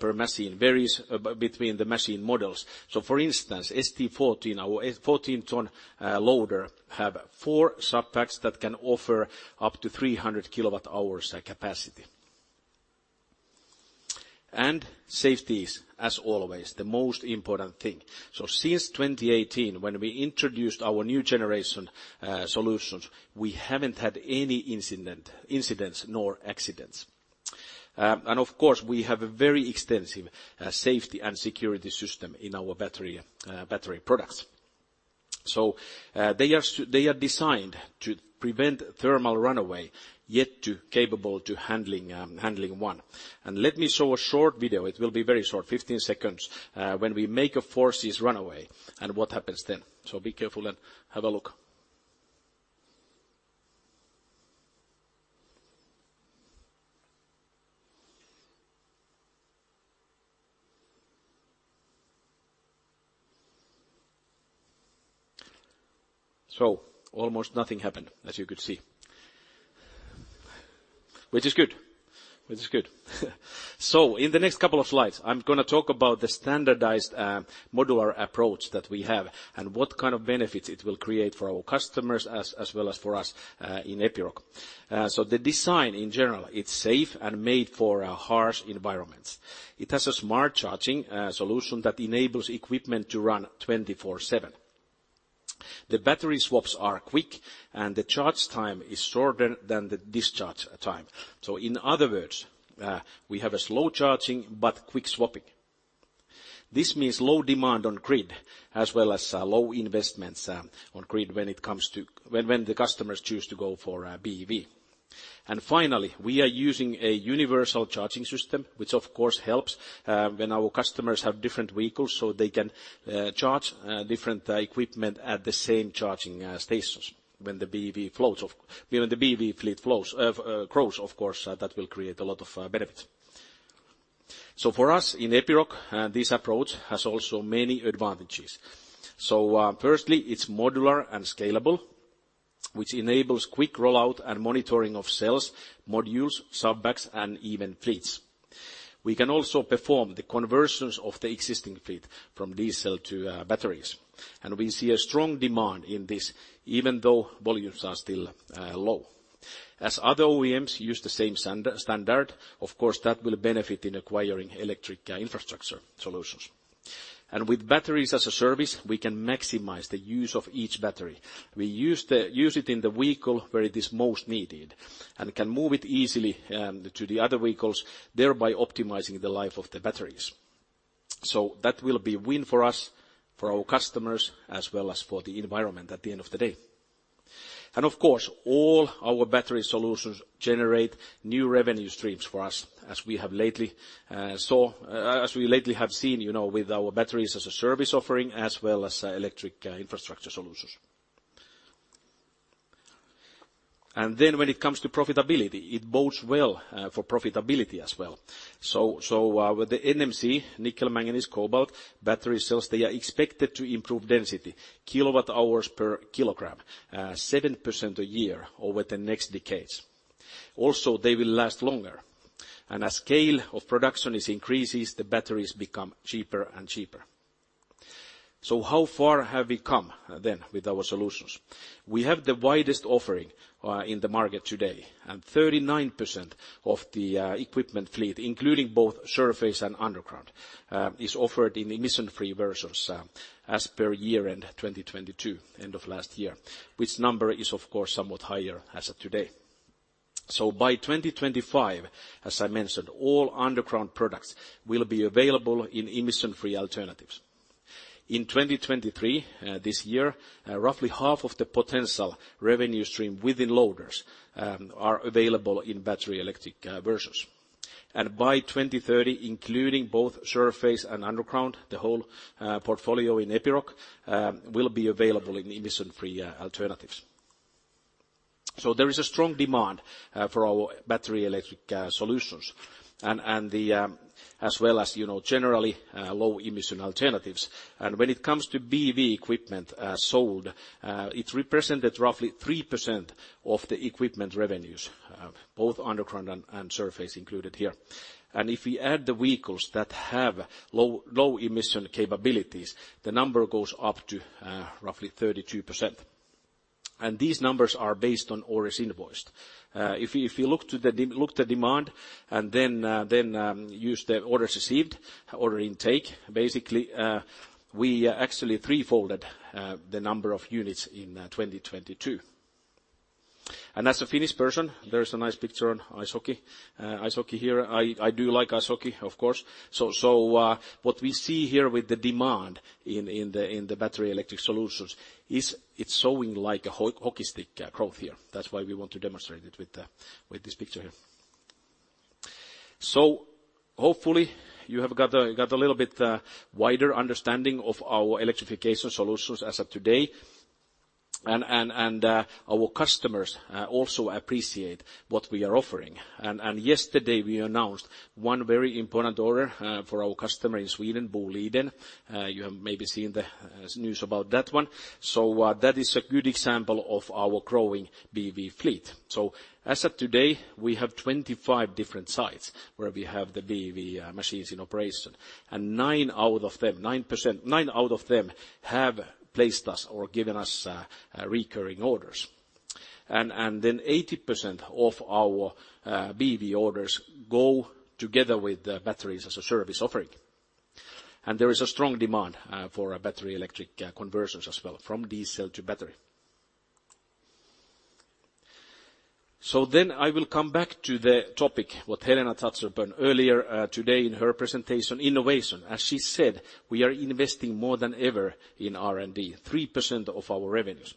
per machine? Varies between the machine models. So for instance, ST14, our 14 ton loader, have four subpacks that can offer up to 300 kWh capacity. Safety is, as always, the most important thing. Since 2018, when we introduced our new generation solutions, we haven't had any incidents nor accidents. Of course, we have a very extensive safety and security system in our battery battery products. They are designed to prevent thermal runaway, yet to capable to handling one. Let me show a short video, it will be very short, 15 seconds, when we make a forces runaway and what happens then. Be careful and have a look. Almost nothing happened, as you could see. Which is good. In the next couple of slides, I'm gonna talk about the standardized, modular approach that we have and what kind of benefits it will create for our customers as well as for us in Epiroc. The design, in general, it's safe and made for harsh environments. It has a smart charging solution that enables equipment to run 24/7. The battery swaps are quick, and the charge time is shorter than the discharge time. In other words, we have a slow charging, but quick swapping. This means low demand on grid, as well as low investments on grid when the customers choose to go for BEV. Finally, we are using a universal charging system, which of course helps when our customers have different vehicles, so they can charge different equipment at the same charging stations when the BEV fleet flows grows, of course, that will create a lot of benefit. For us in Epiroc, this approach has also many advantages. Firstly, it's modular and scalable, which enables quick rollout and monitoring of cells, modules, subpacks, and even fleets. We can also perform the conversions of the existing fleet from diesel to batteries, and we see a strong demand in this, even though volumes are still low. As other OEMs use the same standard, of course, that will benefit in acquiring electric infrastructure solutions. With Batteries as a Service, we can maximize the use of each battery. We use it in the vehicle where it is most needed, and can move it easily to the other vehicles, thereby optimizing the life of the batteries. That will be a win for us, for our customers, as well as for the environment at the end of the day. Of course, all our battery solutions generate new revenue streams for us, as we lately have seen, you know, with our Batteries-as-a-Service offering, as well as electric infrastructure solutions. When it comes to profitability, it bodes well for profitability as well. With the NMC, nickel, manganese, cobalt, battery cells, they are expected to improve density, kilowatt hours per kilogram, 7% a year over the next decades. Also, they will last longer, and as scale of production is increases, the batteries become cheaper and cheaper. How far have we come, then, with our solutions? We have the widest offering in the market today. 39% of the equipment fleet, including both surface and underground, is offered in emission-free versions as per year-end 2022, end of last year, which number is, of course, somewhat higher as of today. By 2025, as I mentioned, all underground products will be available in emission-free alternatives. In 2023, this year, roughly half of the potential revenue stream within loaders are available in battery electric versions. By 2030, including both surface and underground, the whole portfolio in Epiroc will be available in emission-free alternatives. There is a strong demand for our battery electric solutions, and the as well as, you know, generally, low emission alternatives. When it comes to BEV equipment, sold, it represented roughly 3% of the equipment revenues, both underground and surface included here. If we add the vehicles that have low, low emission capabilities, the number goes up to roughly 32%. These numbers are based on orders invoiced. If you look the demand and then, use the orders received, order intake, basically, we actually 3-folded the number of units in 2022. As a Finnish person, there is a nice picture on ice hockey. Ice hockey here, I do like ice hockey, of course. What we see here with the demand in the battery electric solutions is it's showing like a hockey stick growth here. That's why we want to demonstrate it with this picture here. Hopefully you have got a little bit wider understanding of our electrification solutions as of today, and our customers also appreciate what we are offering. Yesterday, we announced 1 very important order for our customer in Sweden, Boliden. You have maybe seen the news about that one. That is a good example of our growing BEV fleet. As of today, we have 25 different sites where we have the BEV machines in operation, and nine out of them have placed us or given us recurring orders. 80% of our BEV orders go together with the Batteries as a Service offering. There is a strong demand for a battery electric conversions as well, from diesel to battery. I will come back to the topic, what Helena touched upon earlier today in her presentation: innovation. As she said, we are investing more than ever in R&D, 3% of our revenues.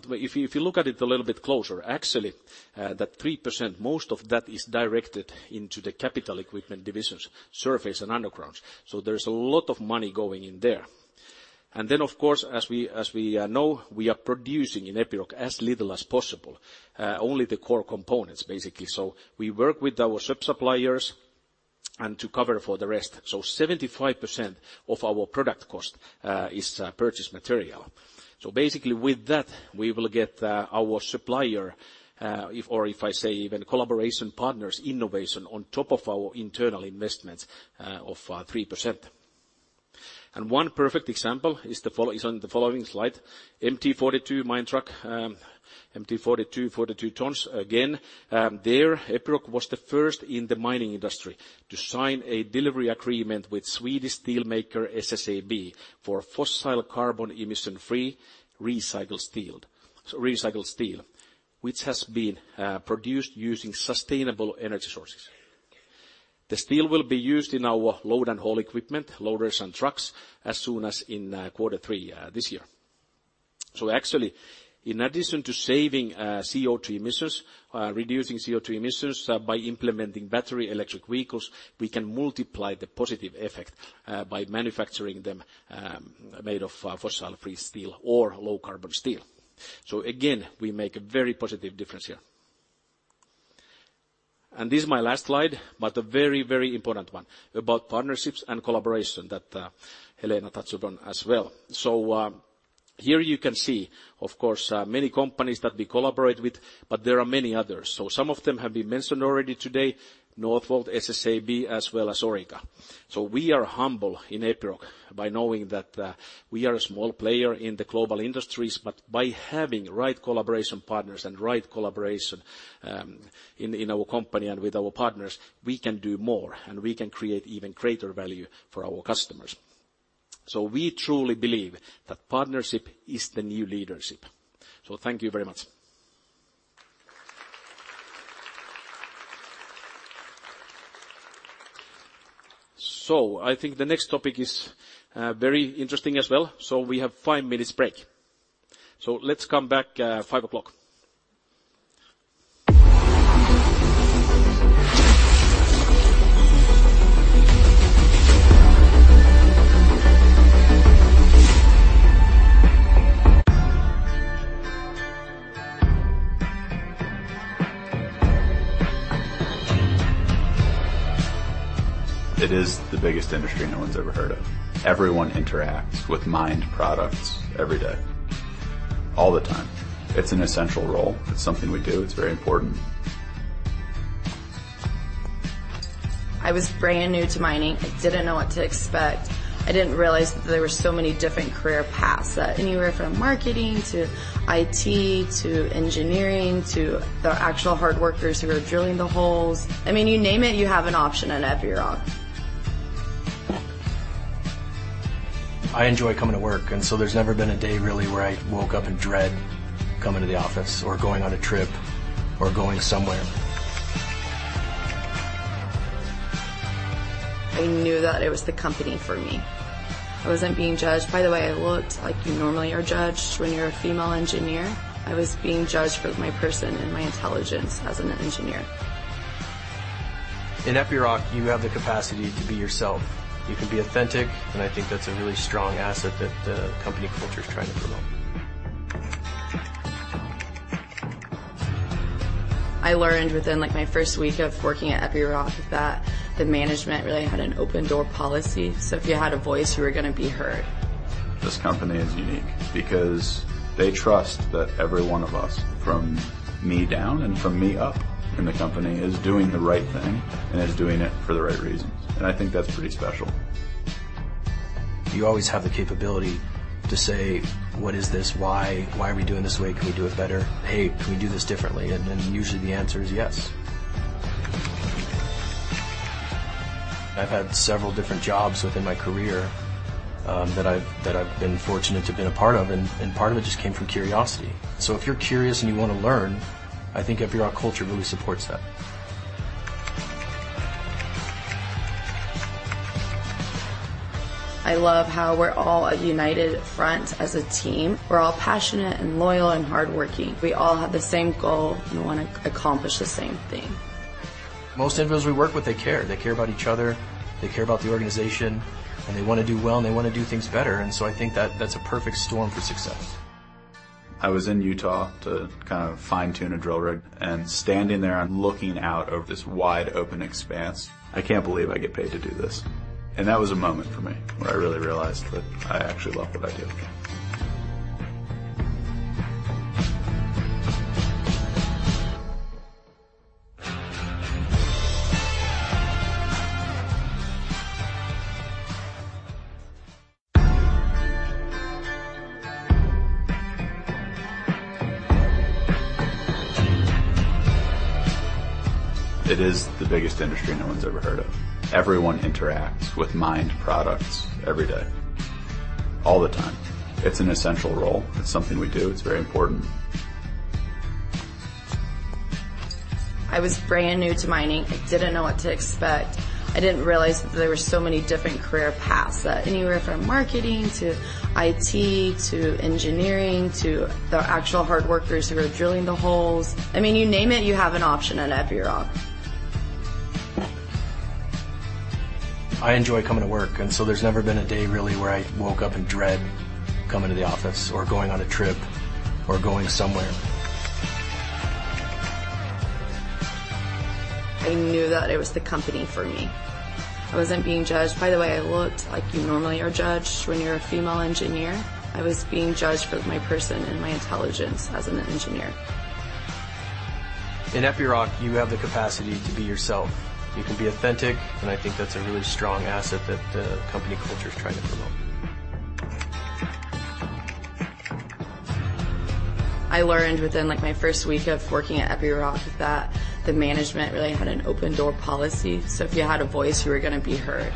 If you look at it a little bit closer, actually, that 3%, most of that is directed into the capital equipment divisions, surface and underground. There's a lot of money going in there. Of course, as we know, we are producing in Epiroc as little as possible, only the core components, basically. We work with our sub-suppliers, and to cover for the rest. 75% of our product cost is purchase material. Basically, with that, we will get our supplier, if I say even collaboration partners' innovation on top of our internal investments of 3%. One perfect example is on the following slide, MT42 mine truck, MT42, 42 tons. Again, there, Epiroc was the first in the mining industry to sign a delivery agreement with Swedish steelmaker SSAB for fossil carbon emission-free recycled steel, which has been produced using sustainable energy sources. The steel will be used in our load and haul equipment, loaders and trucks, as soon as in quarter three this year. Actually, in addition to saving CO2 emissions, reducing CO2 emissions by implementing battery electric vehicles, we can multiply the positive effect by manufacturing them made of fossil-free steel or low-carbon steel. Again, we make a very positive difference here. This is my last slide, but a very, very important one about partnerships and collaboration that Helena touched upon as well. Here you can see, of course, many companies that we collaborate with, but there are many others. Some of them have been mentioned already today: Northvolt, SSAB, as well as Orica. We are humble in Epiroc by knowing that we are a small player in the global industries, but by having right collaboration partners and right collaboration in our company and with our partners, we can do more, and we can create even greater value for our customers. We truly believe that partnership is the new leadership. Thank you very much. I think the next topic is very interesting as well. We have five minutes break. Let's come back, 5:00 P.M. It is the biggest industry no one's ever heard of. Everyone interacts with mined products every day, all the time. It's an essential role. It's something we do. It's very important. I was brand new to mining. I didn't know what to expect. I didn't realize that there were so many different career paths, that anywhere from marketing to IT, to engineering, to the actual hard workers who are drilling the holes. I mean, you name it, you have an option at Epiroc. I enjoy coming to work. There's never been a day, really, where I woke up in dread coming to the office, or going on a trip, or going somewhere. I knew that it was the company for me. I wasn't being judged by the way I looked, like you normally are judged when you're a female engineer. I was being judged for my person and my intelligence as an engineer. In Epiroc, you have the capacity to be yourself. You can be authentic, and I think that's a really strong asset that the company culture is trying to promote. I learned within, like, my first week of working at Epiroc that the management really had an open-door policy. If you had a voice, you were gonna be heard. This company is unique because they trust that every one of us, from me down and from me up in the company, is doing the right thing and is doing it for the right reasons. I think that's pretty special. You always have the capability to say, "What is this? Why? Why are we doing this way? Can we do it better? Hey, can we do this differently?" Usually the answer is yes. I've had several different jobs within my career, that I've been fortunate to have been a part of, and part of it just came from curiosity. If you're curious and you wanna learn, I think Epiroc culture really supports that. I love how we're all a united front as a team. We're all passionate, and loyal, and hardworking. We all have the same goal, and we wanna accomplish the same thing. Most individuals we work with, they care. They care about each other, they care about the organization, they wanna do well, they wanna do things better, I think that's a perfect storm for success. I was in Utah to kind of fine-tune a drill rig. Standing there and looking out over this wide-open expanse, I can't believe I get paid to do this. That was a moment for me, where I really realized that I actually love what I do. It is the biggest industry no one's ever heard of. Everyone interacts with mined products every day, all the time. It's an essential role. It's something we do. It's very important. I was brand new to mining. I didn't know what to expect. I didn't realize that there were so many different career paths, that anywhere from marketing to IT, to engineering, to the actual hard workers who are drilling the holes. I mean, you name it, you have an option at Epiroc. I enjoy coming to work, and so there's never been a day, really, where I woke up in dread, coming to the office or going on a trip or going somewhere. I knew that it was the company for me. I wasn't being judged by the way I looked, like you normally are judged when you're a female engineer. I was being judged for my person and my intelligence as an engineer. In Epiroc, you have the capacity to be yourself. You can be authentic, and I think that's a really strong asset that the company culture is trying to promote. I learned within, like, my first week of working at Epiroc, that the management really had an open-door policy. If you had a voice, you were gonna be heard.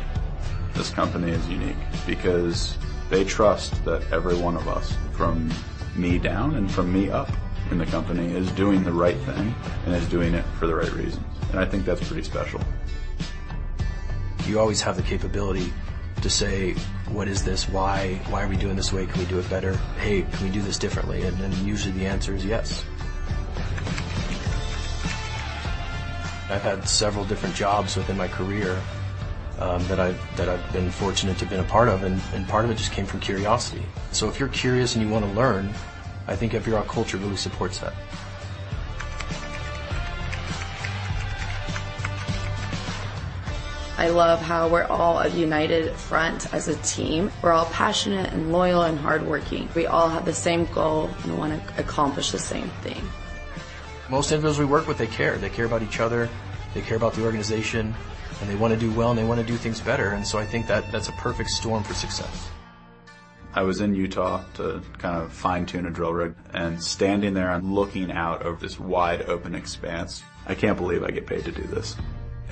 This company is unique because they trust that every one of us, from me down and from me up in the company, is doing the right thing and is doing it for the right reasons. I think that's pretty special. You always have the capability to say: "What is this? Why? Why are we doing it this way? Can we do it better? Hey, can we do this differently?" Usually the answer is yes. I've had several different jobs within my career that I've been fortunate to been a part of, and part of it just came from curiosity. If you're curious and you wanna learn, I think Epiroc culture really supports that. I love how we're all a united front as a team. We're all passionate, and loyal, and hardworking. We all have the same goal, and we wanna accomplish the same thing. Most individuals we work with, they care. They care about each other, they care about the organization, and they wanna do well, and they wanna do things better. I think that's a perfect storm for success. I was in Utah to kind of fine-tune a drill rig. Standing there and looking out over this wide-open expanse, I can't believe I get paid to do this.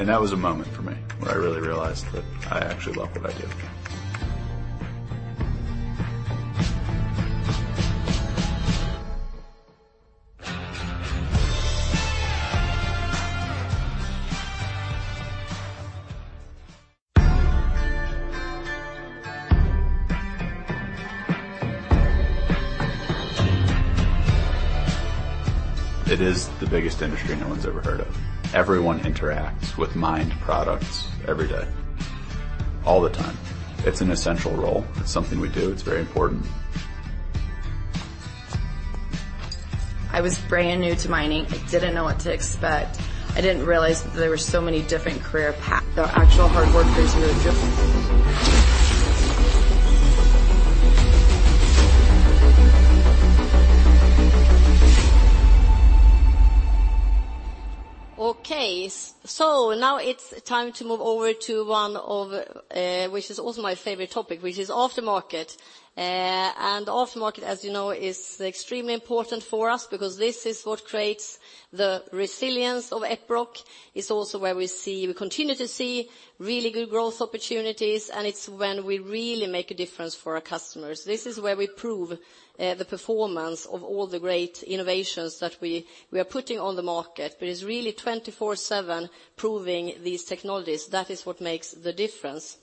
That was a moment for me, where I really realized that I actually love what I do. It is the biggest industry no one's ever heard of. Everyone interacts with mined products every day, all the time. It's an essential role. It's something we do. It's very important. I was brand new to mining. I didn't know what to expect. I didn't realize that there were so many different career path. The actual hard workers who are drilling- Okay, now it's time to move over to one of, which is also my favorite topic, which is aftermarket. Aftermarket, as you know, is extremely important for us because this is what creates the resilience of Epiroc. It's also where we continue to see really good growth opportunities, it's when we really make a difference for our customers. This is where we prove the performance of all the great innovations that we are putting on the market. It's really 24/7 proving these technologies. That is what makes the difference.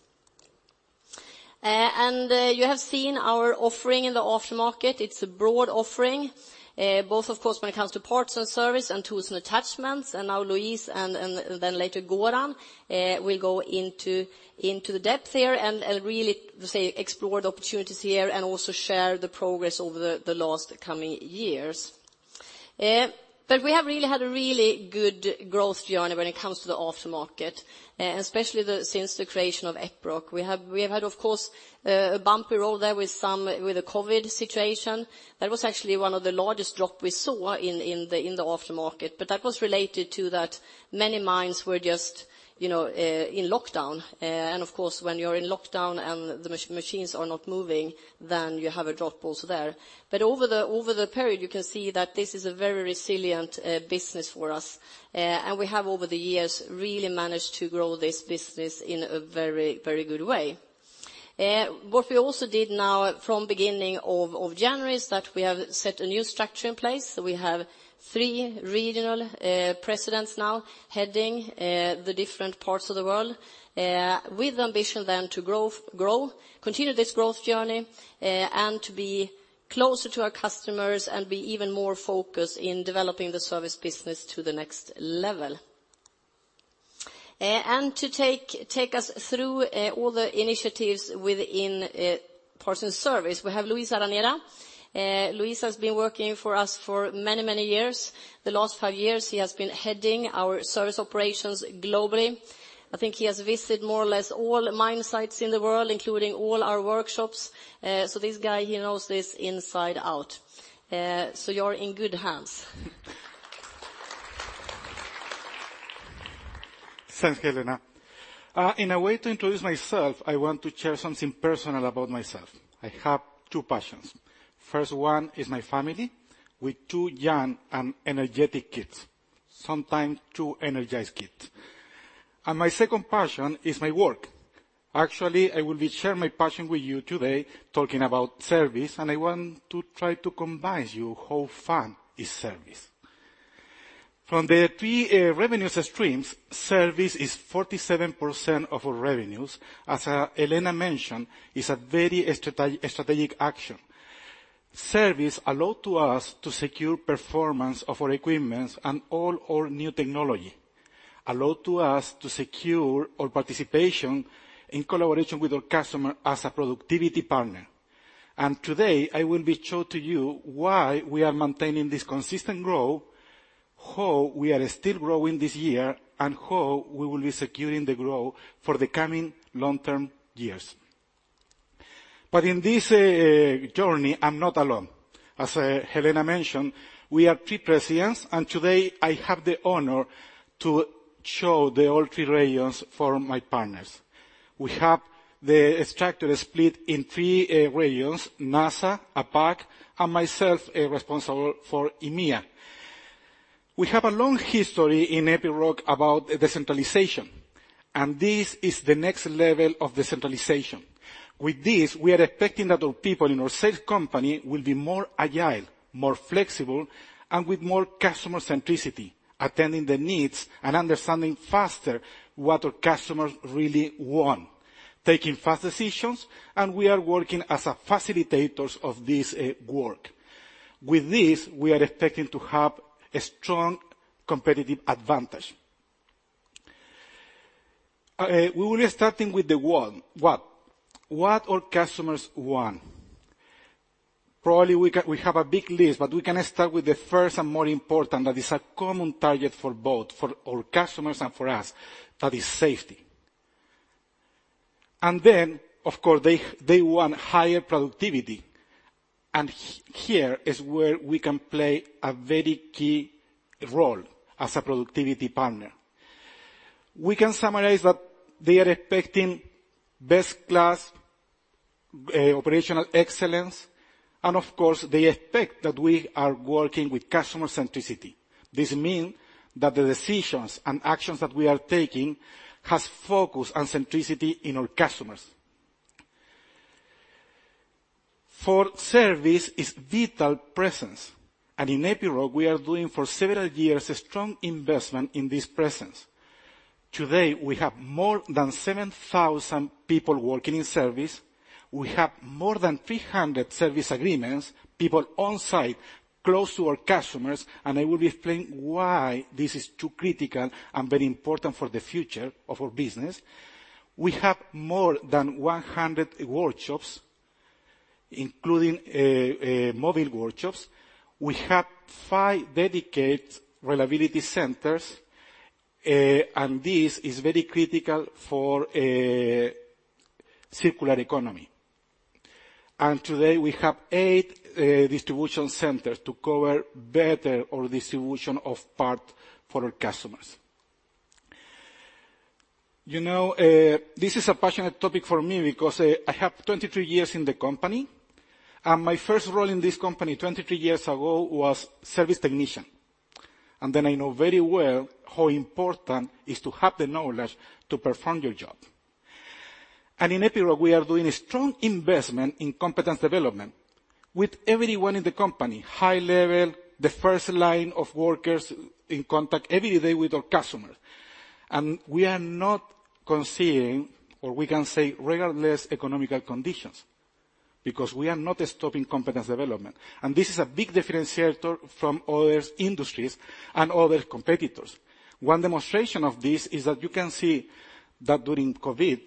You have seen our offering in the aftermarket. It's a broad offering, both of course, when it comes to Parts and Services and Tools and Attachments. Now Luis, and then later Goran will go into the depth here and really, say, explore the opportunities here, and also share the progress over the last coming years. We have really had a really good growth journey when it comes to the aftermarket, especially since the creation of Epiroc. We have had, of course, a bumpy road there with the COVID situation. That was actually one of the largest drop we saw in the aftermarket, but that was related to that many mines were just, you know, in lockdown. Of course, when you're in lockdown and the machines are not moving, then you have a drop also there. Over the period, you can see that this is a very resilient business for us. We have, over the years, really managed to grow this business in a very, very good way. What we also did now from beginning of January, is that we have set a new structure in place. We have three regional presidents now, heading the different parts of the world, with the ambition to grow, continue this growth journey, and to be closer to our customers, and be even more focused in developing the service business to the next level. To take us through all the initiatives within Parts and Services, we have Luis Araneda. Luis has been working for us for many, many years. The last five years, he has been heading our service operations globally. I think he has visited more or less all mine sites in the world, including all our workshops. This guy, he knows this inside out. You're in good hands. Thanks, Helena. In a way, to introduce myself, I want to share something personal about myself. I have two passions. First one is my family, with two young and energetic kids, sometimes too energized kids. My second passion is my work. Actually, I will be share my passion with you today, talking about service, and I want to try to convince you how fun is service. From the three revenues streams, service is 47% of our revenues. As Helena mentioned, it's a very strategic action. Service allow to us to secure performance of our equipments and all our new technology, allow to us to secure our participation in collaboration with our customer as a productivity partner. Today, I will be show to you why we are maintaining this consistent growth, how we are still growing this year, and how we will be securing the growth for the coming long-term years. In this journey, I'm not alone. As Helena mentioned, we are three presidents. Today I have the honor to show the all three regions for my partners. We have the structure split in three regions, NASA, APAC, and myself, responsible for EMEA. We have a long history in Epiroc about decentralization. This is the next level of decentralization. With this, we are expecting that our people in our sales company will be more agile, more flexible, and with more customer centricity, attending the needs and understanding faster what our customers really want, taking fast decisions. We are working as a facilitators of this work. With this, we are expecting to have a strong competitive advantage. We will be starting with what our customers want. Probably we have a big list, but we can start with the first and more important, that is a common target for both our customers and for us, that is safety. Then, of course, they want higher productivity, and here is where we can play a very key role as a productivity partner. We can summarize that they are expecting best-class operational excellence, and of course, they expect that we are working with customer centricity. This mean that the decisions and actions that we are taking has focus and centricity in our customers. For service is vital presence. In Epiroc, we are doing for several years a strong investment in this presence. Today, we have more than 7,000 people working in service. We have more than 300 service agreements, people on site, close to our customers. I will explain why this is too critical and very important for the future of our business. We have more than 100 workshops, including mobile workshops. We have five dedicated reliability centers. This is very critical for a circular economy. Today, we have eight distribution centers to cover better our distribution of part for our customers. You know, this is a passionate topic for me because I have 23 years in the company. My first role in this company, 23 years ago, was service technician. I know very well how important is to have the knowledge to perform your job. In Epiroc, we are doing a strong investment in competence development with everyone in the company, high level, the first line of workers in contact every day with our customers. We are not considering, or we can say, regardless economical conditions, because we are not stopping competence development, and this is a big differentiator from other industries and other competitors. One demonstration of this is that you can see that during COVID,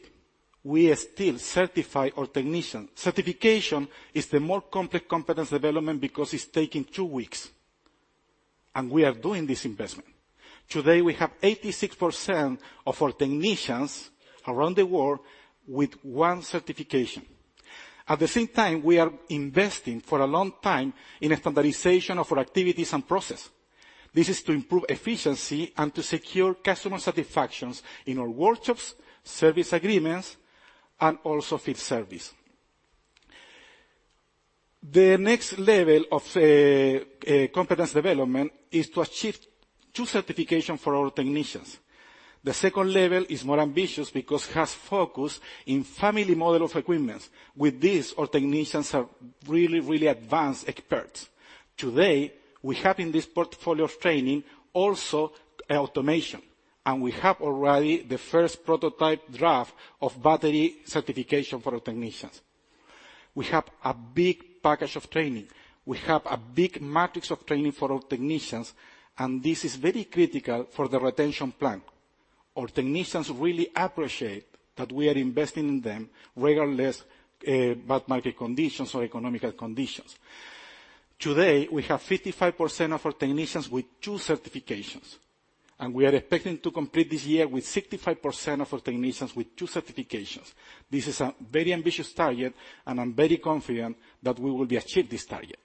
we still certify our technician. Certification is the more complex competence development because it's taking two weeks, and we are doing this investment. Today, we have 86% of our technicians around the world with one certification. At the same time, we are investing for a long time in a standardization of our activities and process. This is to improve efficiency and to secure customer satisfactions in our workshops, service agreements, and also field service. The next level of competence development is to achieve two certification for our technicians. The second level is more ambitious because it has focus in family model of equipments. With this, our technicians are really advanced experts. Today, we have in this portfolio of training also automation, and we have already the first prototype draft of battery certification for our technicians. We have a big package of training. We have a big matrix of training for our technicians, and this is very critical for the retention plan. Our technicians really appreciate that we are investing in them regardless, bad market conditions or economic conditions. Today, we have 55% of our technicians with two certifications, and we are expecting to complete this year with 65% of our technicians with two certifications. This is a very ambitious target, and I'm very confident that we will be achieve this target.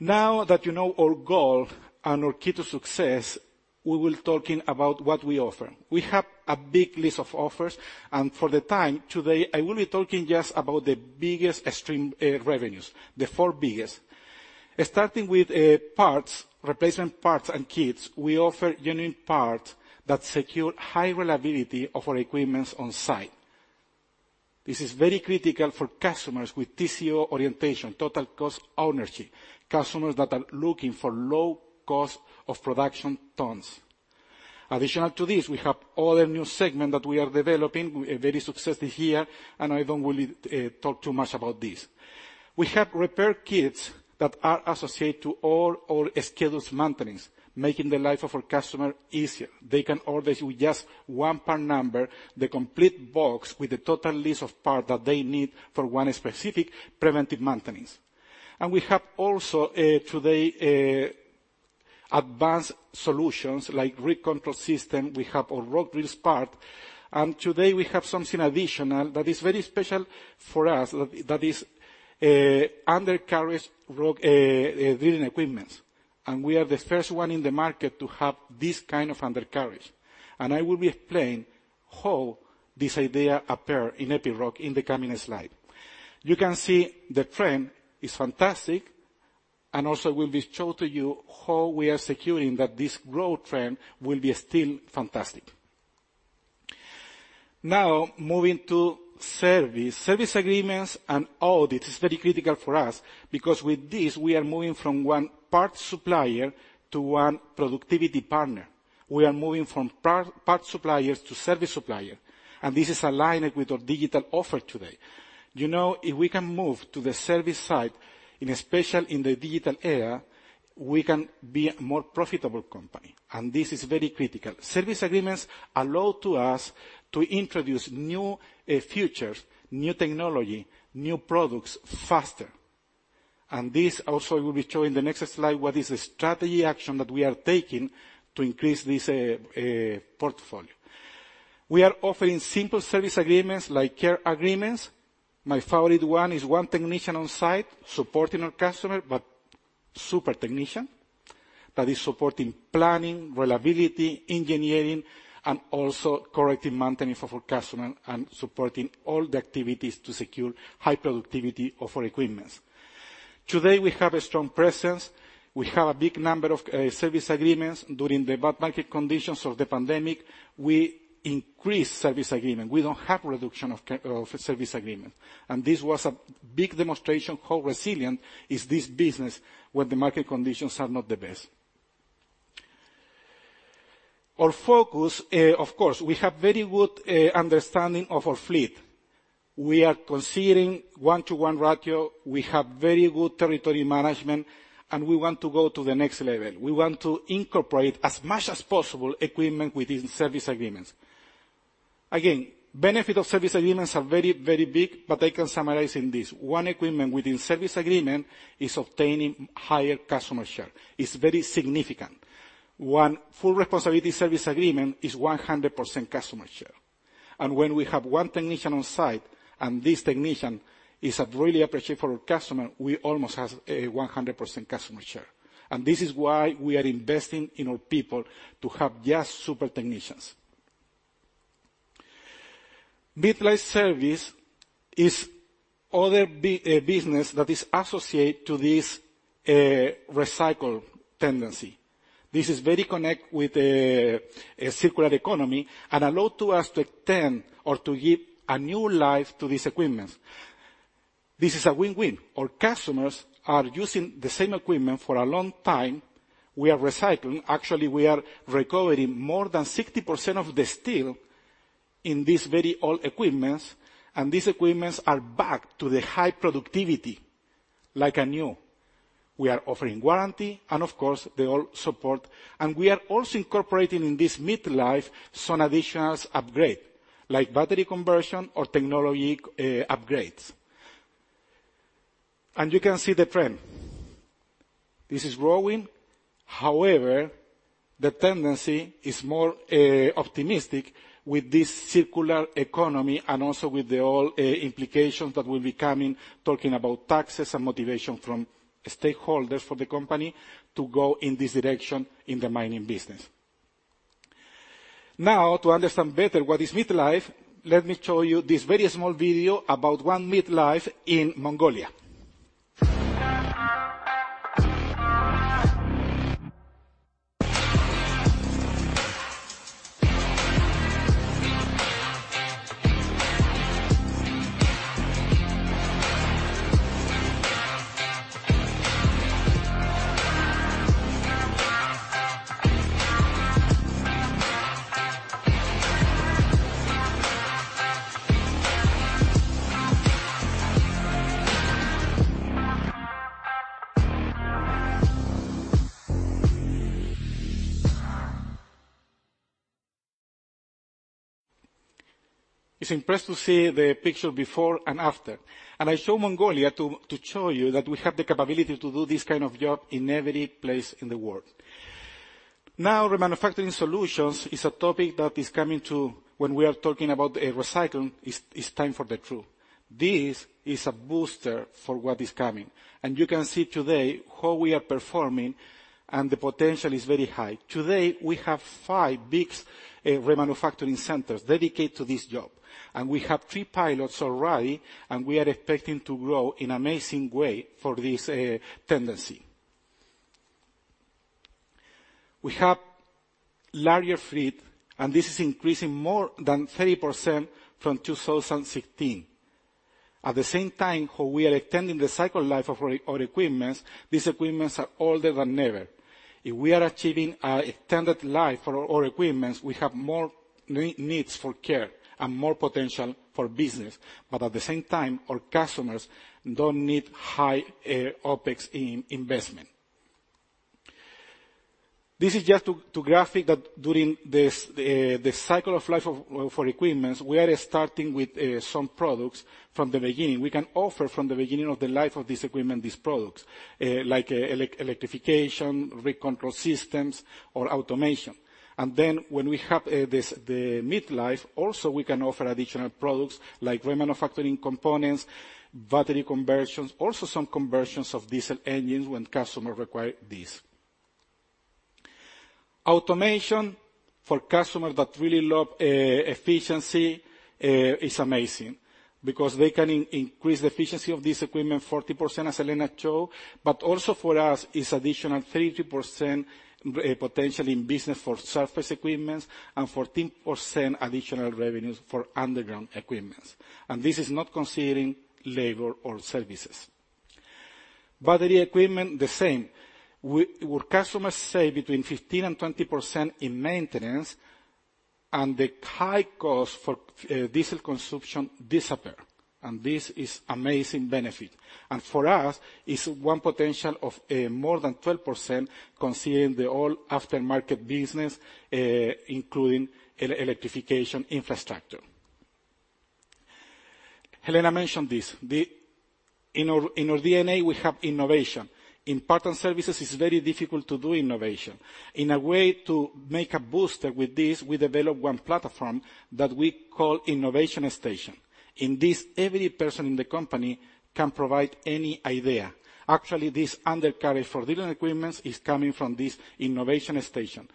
Now that you know our goal and our key to success, we will talking about what we offer. We have a big list of offers, and for the time today, I will be talking just about the biggest stream revenues, the four biggest. Starting with parts, replacement parts and kits, we offer unique parts that secure high reliability of our equipments on site. This is very critical for customers with TCO orientation, total cost ownership, customers that are looking for low cost of production tons. Additional to this, we have other new segment that we are developing, we are very successful here, and I don't really talk too much about this. We have repair kits that are associated to all our scheduled maintainings, making the life of our customer easier. They can order with just one part number, the complete box with the total list of parts that they need for one specific preventive maintenance. We have also today advanced solutions like rig control system. We have our rock drills part, and today we have something additional that is very special for us, that is undercarriage rock drilling equipments. We are the first one in the market to have this kind of undercarriage, and I will be explaining how this idea appeared in Epiroc in the coming slide. You can see the trend is fantastic, also will be shown to you how we are securing that this growth trend will be still fantastic. Now, moving to service. Service agreements and audit is very critical for us because with this, we are moving from one parts supplier to one productivity partner. We are moving from parts suppliers to service supplier. This is aligned with our digital offer today. You know, if we can move to the service side, especially in the digital era, we can be a more profitable company. This is very critical. Service agreements allow to us to introduce new features, new technology, new products faster. This also will be shown in the next slide, what is the strategy action that we are taking to increase this portfolio. We are offering simple service agreements, like care agreements. My favorite one is one technician on site supporting our customer, but super technician that is supporting planning, reliability, engineering, and also corrective maintenance for our customer and supporting all the activities to secure high productivity of our equipments. Today, we have a strong presence. We have a big number of service agreements. During the bad market conditions of the pandemic, we increased service agreement. We don't have reduction of service agreement, and this was a big demonstration how resilient is this business when the market conditions are not the best. Our focus, of course, we have very good understanding of our fleet. We are considering 1-to-1 ratio. We have very good territory management, and we want to go to the next level. We want to incorporate as much as possible equipment within service agreements. Again, benefit of service agreements are very, very big, but I can summarize in this: one equipment within service agreement is obtaining higher customer share. It's very significant. One full responsibility service agreement is 100% customer share, and when we have 1 technician on site, and this technician is a really appreciate for our customer, we almost have a 100% customer share. This is why we are investing in our people, to have just super technicians. Midlife service is business that is associated to this recycle tendency. This is very connect with a circular economy and allow to us to extend or to give a new life to these equipments. This is a win-win. Our customers are using the same equipment for a long time. We are recycling. Actually, we are recovering more than 60% of the steel in these very old equipments, and these equipments are back to the high productivity, like a new. We are offering warranty, and of course, the all support. We are also incorporating in this midlife some additional upgrade, like battery conversion or technology upgrades. You can see the trend. This is growing. However, the tendency is more optimistic with this circular economy and also with the all implications that will be coming, talking about taxes and motivation from stakeholders for the company to go in this direction in the mining business. To understand better what is midlife, let me show you this very small video about one midlife in Mongolia. It's impressed to see the picture before and after, and I show Mongolia to show you that we have the capability to do this kind of job in every place in the world. Remanufacturing solutions is a topic that is coming to when we are talking about recycling, it's time for the truth. This is a booster for what is coming, and you can see today how we are performing, and the potential is very high. Today, we have five big remanufacturing centers dedicated to this job, and we have three pilots already, and we are expecting to grow in amazing way for this tendency. We have larger fleet, and this is increasing more than 30% from 2016. At the same time, how we are extending the cycle life of our equipments, these equipments are older than ever. If we are achieving a extended life for our equipments, we have more needs for care and more potential for business, but at the same time, our customers don't need high OpEx in investment. This is just to graphic that during this the cycle of life of, for equipments, we are starting with some products from the beginning. We can offer from the beginning of the life of this equipment, these products, like electrification, recontrol systems, or automation. When we have this the midlife, also, we can offer additional products like remanufacturing components, battery conversions, also some conversions of diesel engines when customer require this. Automation for customers that really love efficiency is amazing because they can increase the efficiency of this equipment 40%, as Helena showed, but also for us, is additional 32% potential in business for surface equipments and 14% additional revenues for underground equipments, and this is not considering labor or services. Battery equipment, the same. We. Our customers save between 15% and 20% in maintenance, the high cost for diesel consumption disappear, this is amazing benefit. For us, it's one potential of more than 12% considering the all aftermarket business, including electrification infrastructure. Helena mentioned this, in our DNA, we have innovation. In Parts and Services, it's very difficult to do innovation. In a way to make a booster with this, we develop one platform that we call innovation station. In this, every person in the company can provide any idea. Actually, this undercarriage for different equipments is coming from this innovation station.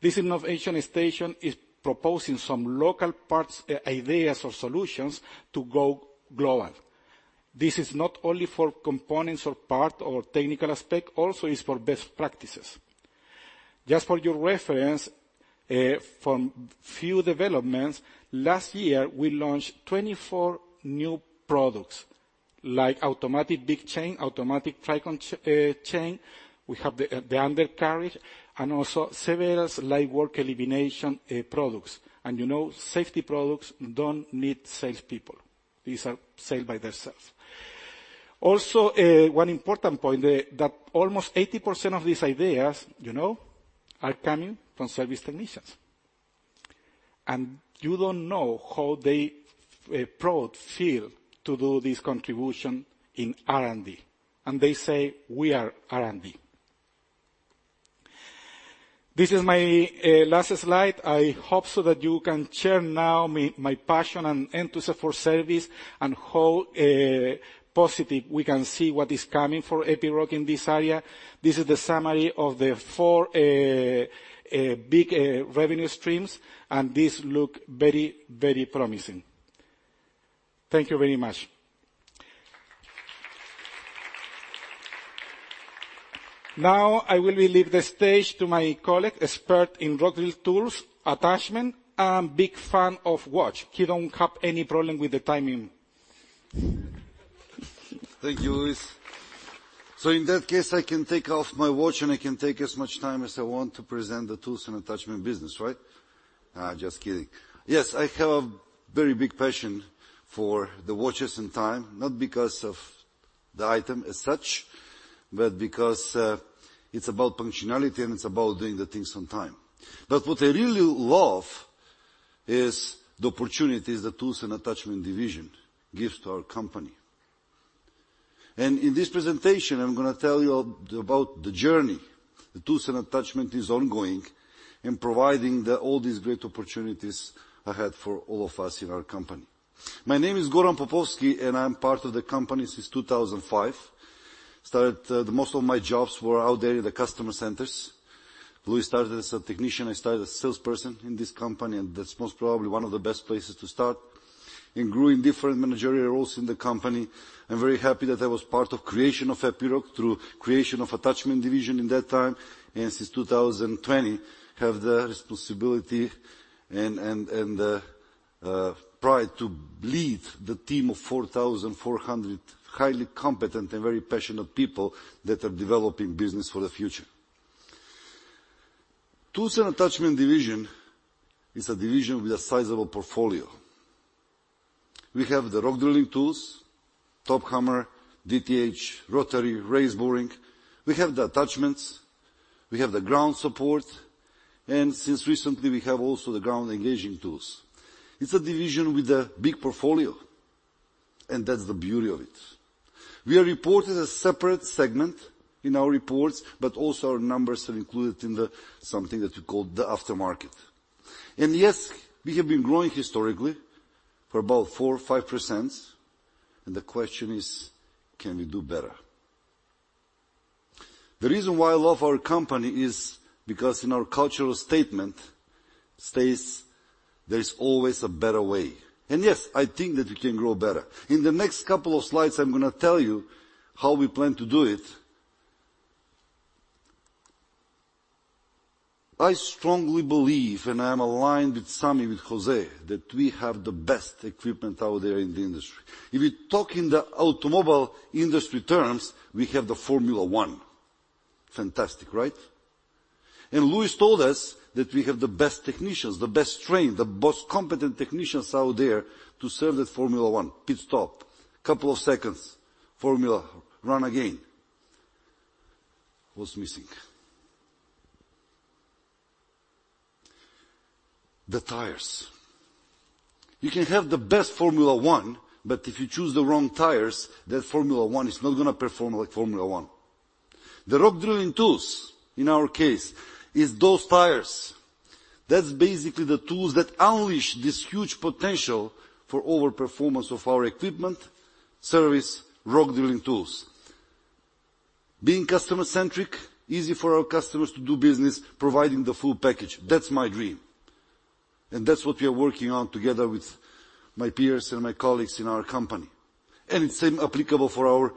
This innovation station is proposing some local parts, ideas or solutions to go global. This is not only for components or part or technical aspect, also is for best practices. Just for your reference, from few developments, last year, we launched 24 new products, like Automatic Big changer, Automatic Tricon Changer. We have the undercarriage and also several light work elimination products. You know, safety products don't need salespeople. These are sold by themselves. Also, one important point that almost 80% of these ideas, you know, are coming from service technicians. You don't know how they proud feel to do this contribution in R&D, and they say, "We are R&D." This is my last slide. I hope so that you can share now my passion and enthusiasm for service and how positive we can see what is coming for Epiroc in this area. This is the summary of the four big revenue streams, and this lookvery, very promising. Thank you very much. Now I will leave the stage to my colleague, expert in rock drill tools, attachment, and big fan of watch. He don't have any problem with the timing. Thank you, Luis. In that case, I can take off my watch, and I can take as much time as I want to present the Tools and Attachments business, right? Just kidding. Yes, I have very big passion for the watches and time, not because of the item as such, but because it's about functionality, and it's about doing the things on time. What I really love is the opportunities the Tools and Attachments division gives to our company. In this presentation, I'm gonna tell you about the journey, the Tools and Attachments is ongoing in providing the all these great opportunities ahead for all of us in our company. My name is Goran Popovski, I'm part of the company since 2005. Started, the most of my jobs were out there in the customer centers. Luis started as a technician, I started as a salesperson in this company, and that's most probably one of the best places to start. In growing different managerial roles in the company, I'm very happy that I was part of creation of attachment division in that time, and since 2020, have the responsibility and pride to lead the team of 4,400 highly competent and very passionate people that are developing business for the future. Tools and Attachments division is a division with a sizable portfolio. We have the rock drilling tools, top hammer, DTH, rotary, raise boring. We have the attachments, we have the ground support, and since recently, we have also the ground engaging tools. It's a division with a big portfolio, and that's the beauty of it. We are reported a separate segment in our reports, also our numbers are included in the something that we call the Aftermarket. Yes, we have been growing historically for about 4% or 5%, the question is: Can we do better? The reason why I love our company is because in our cultural statement, states, there is always a better way. Yes, I think that we can grow better. In the next couple of slides, I'm gonna tell you how we plan to do it. I strongly believe, I'm aligned with Sami, with Jose, that we have the best equipment out there in the industry. If we talk in the automobile industry terms, we have the Formula One. Fantastic, right? Luis told us that we have the best technicians, the best trained, the most competent technicians out there to serve that Formula One. Pit stop, couple of seconds, formula run again. What's missing? The tires. You can have the best Formula One, but if you choose the wrong tires, that Formula One is not gonna perform like Formula One. The rock drilling tools, in our case, is those tires. That's basically the tools that unleash this huge potential for overperformance of our equipment, service, rock drilling tools. Being customer-centric, easy for our customers to do business, providing the full package. That's my dream, and that's what we are working on together with my peers and my colleagues in our company. It's same applicable for our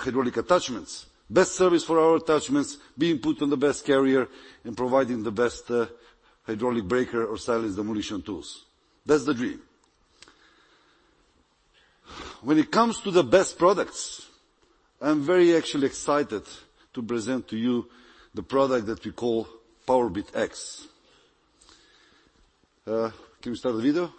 hydraulic attachments. Best service for our attachments, being put on the best carrier and providing the best hydraulic breaker or silence demolition tools. That's the dream. When it comes to the best products, I'm very actually excited to present to you the product that we call Powerbit X. Can we start the video?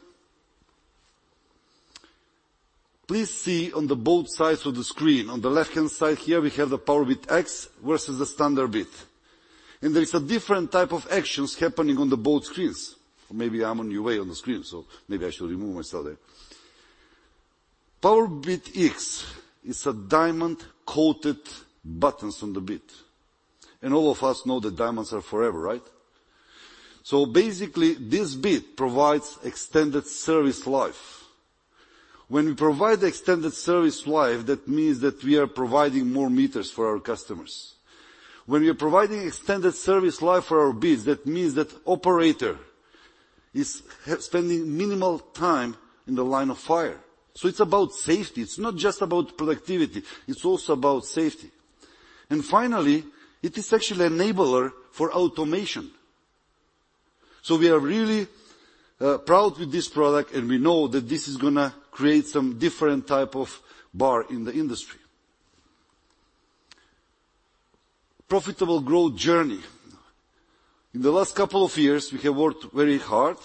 Please see on the both sides of the screen. On the left-hand side here, we have the Powerbit X versus the Standard Bit. There is a different type of actions happening on the both screens. Maybe I'm on your way on the screen. Maybe I should remove myself there. Powerbit X is a diamond-coated buttons on the bit. All of us know that diamonds are forever, right? Basically, this bit provides extended service life. When we provide extended service life, that means that we are providing more meters for our customers. When we are providing extended service life for our bits, that means that operator is spending minimal time in the line of fire. It's about safety. It's not just about productivity, it's also about safety. Finally, it is actually enabler for automation. We are really, proud with this product, and we know that this is gonna create some different type of bar in the industry. Profitable growth journey. In the last couple of years, we have worked very hard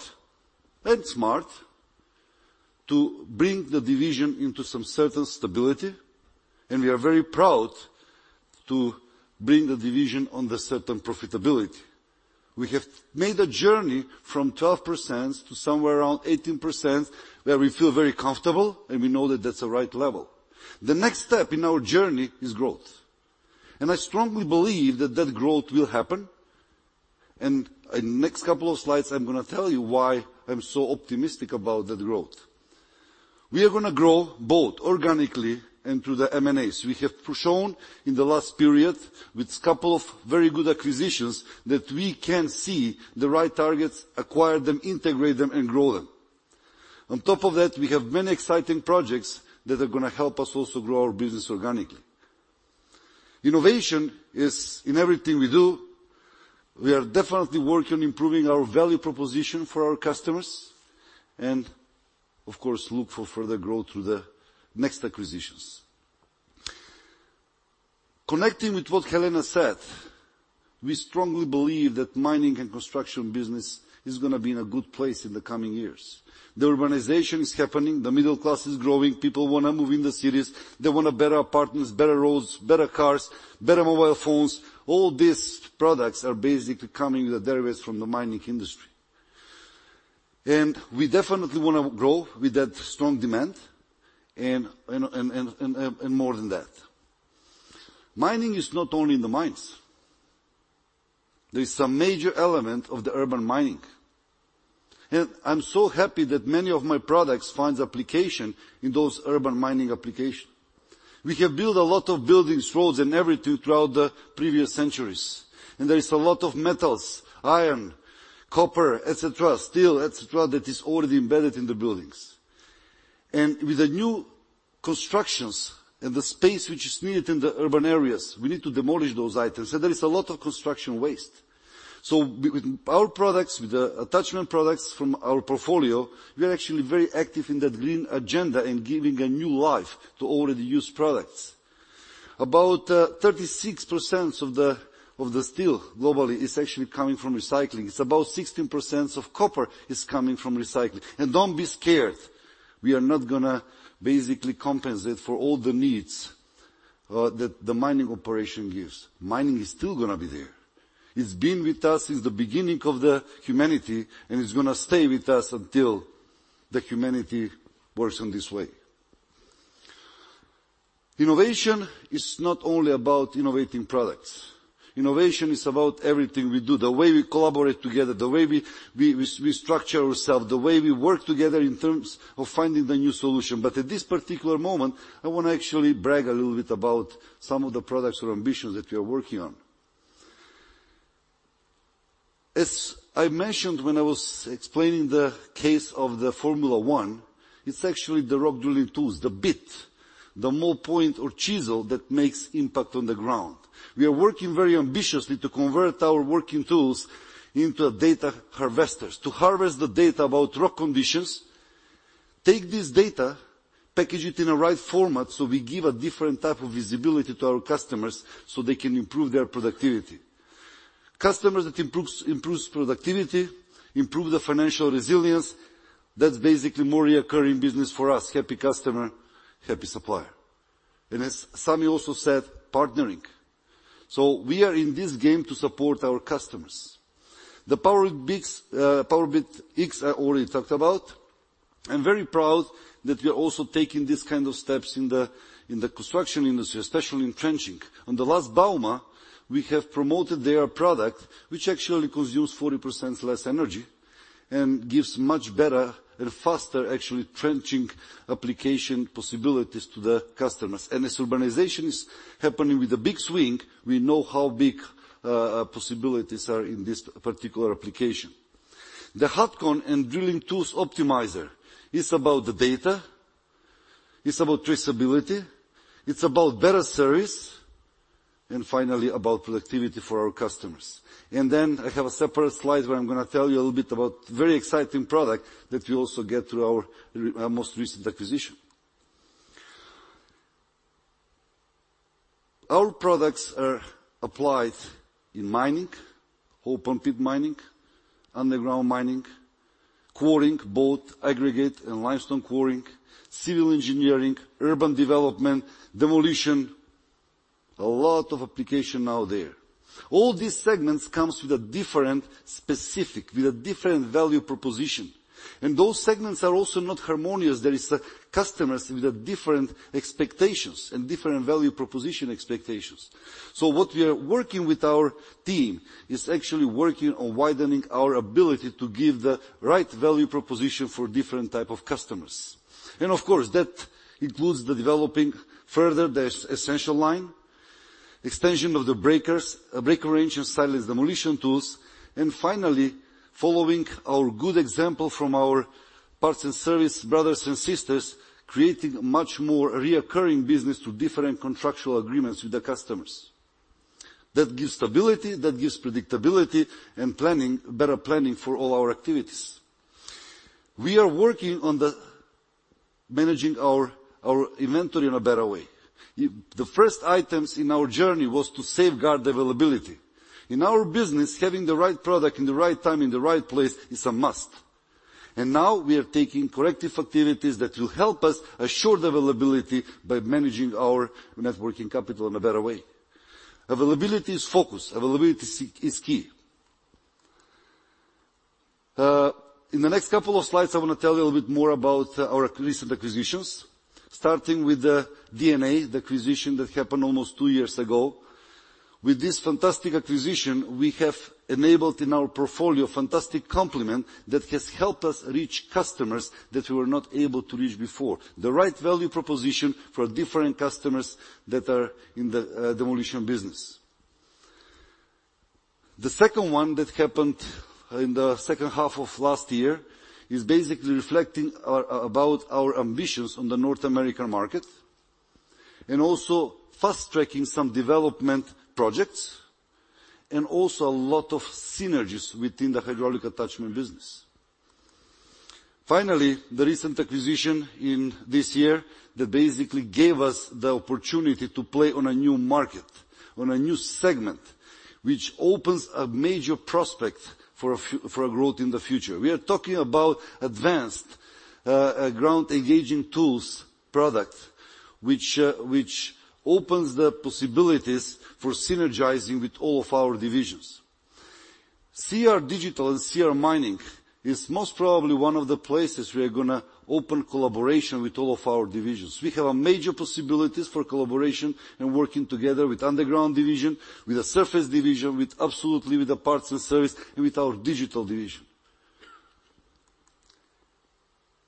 and smart to bring the division into some certain stability, and we are very proud to bring the division on the certain profitability. We have made a journey from 12% to somewhere around 18%, where we feel very comfortable, and we know that that's the right level. The next step in our journey is growth, and I strongly believe that that growth will happen, in next couple of slides, I'm gonna tell you why I'm so optimistic about that growth. We are gonna grow both organically and through the M&As. We have shown in the last period, with couple of very good acquisitions, that we can see the right targets, acquire them, integrate them, and grow them. On top of that, we have many exciting projects that are gonna help us also grow our business organically. Innovation is in everything we do. We are definitely working on improving our value proposition for our customers and, of course, look for further growth through the next acquisitions. Connecting with what Helena said, we strongly believe that mining and construction business is gonna be in a good place in the coming years. The urbanization is happening, the middle class is growing, people wanna move in the cities, they want a better apartments, better roads, better cars, better mobile phones. All these products are basically coming with the derivatives from the mining industry. We definitely wanna grow with that strong demand and more than that. Mining is not only in the mines, there is some major element of the urban mining, and I'm so happy that many of my products finds application in those urban mining application. We have built a lot of buildings, roads, and everything throughout the previous centuries, and there is a lot of metals, iron, copper, et cetera, steel, et cetera, that is already embedded in the buildings. With the new constructions and the space which is needed in the urban areas, we need to demolish those items, and there is a lot of construction waste. With our products, with the attachment products from our portfolio, we are actually very active in that green agenda and giving a new life to already used products. About 36% of the, of the steel globally is actually coming from recycling. It's about 16% of copper is coming from recycling. Don't be scared, we are not gonna basically compensate for all the needs that the mining operation gives. Mining is still gonna be there. It's been with us since the beginning of the humanity, and it's gonna stay with us until the humanity works in this way. Innovation is not only about innovating products. Innovation is about everything we do, the way we collaborate together, the way we structure ourselves, the way we work together in terms of finding the new solution. At this particular moment, I want to actually brag a little bit about some of the products or ambitions that we are working on. As I mentioned when I was explaining the case of the Formula One, it's actually the rock drilling tools, the bit, the more point or chisel that makes impact on the ground. We are working very ambitiously to convert our working tools into data harvesters, to harvest the data about rock conditions, take this data, package it in a right format, so we give a different type of visibility to our customers so they can improve their productivity. Customers that improves productivity, improve the financial resilience, that's basically more recurring business for us. Happy customer, happy supplier. As Sammy also said, partnering. We are in this game to support our customers. The Powerbit X, I already talked about. I'm very proud that we are also taking these kind of steps in the, in the construction industry, especially in trenching. On the last Bauma, we have promoted their product, which actually consumes 40% less energy and gives much better and faster, actually, trenching application possibilities to the customers. As urbanization is happening with a big swing, we know how big possibilities are in this particular application. The Hatcon and Drilling Tools Optimizer is about the data, it's about traceability, it's about better service, and finally, about productivity for our customers. I have a separate slide where I'm gonna tell you a little bit about very exciting product that we also get through our most recent acquisition. Our products are applied in mining, open-pit mining, underground mining, quarrying, both aggregate and limestone quarrying, civil engineering, urban development, demolition. A lot of application out there. All these segments comes with a different, with a different value proposition, and those segments are also not harmonious. There is customers with a different expectations and different value proposition expectations. What we are working with our team is actually working on widening our ability to give the right value proposition for different type of customers. Of course, that includes the developing further the essential line, extension of the breakers, breaker range and silence demolition tools, and finally, following our good example from our Parts and Services brothers and sisters, creating much more recurring business to different contractual agreements with the customers. That gives stability, that gives predictability and planning, better planning for all our activities. We are working on the managing our inventory in a better way. The first items in our journey was to safeguard the availability. In our business, having the right product in the right time, in the right place is a must. Now we are taking corrective activities that will help us assure the availability by managing our networking capital in a better way. Availability is focus, availability is key. In the next couple of slides, I want to tell you a little bit more about our recent acquisitions, starting with the DNA, the acquisition that happened almost two years ago. With this fantastic acquisition, we have enabled in our portfolio a fantastic complement that has helped us reach customers that we were not able to reach before. The right value proposition for different customers that are in the demolition business. The second one that happened in the second half of last year is basically reflecting our ambitions on the North American market, and also fast-tracking some development projects, and also a lot of synergies within the hydraulic attachment business. The recent acquisition in this year, that basically gave us the opportunity to play on a new market, on a new segment, which opens a major prospect for a growth in the future. We are talking about advanced ground engaging tools product, which opens the possibilities for synergizing with all of our divisions. CR Digital and CR Mining is most probably one of the places we are gonna open collaboration with all of our divisions. We have a major possibilities for collaboration and working together with Underground Division, with the Surface Division, with absolutely the Parts and Services, and with our Digital Division.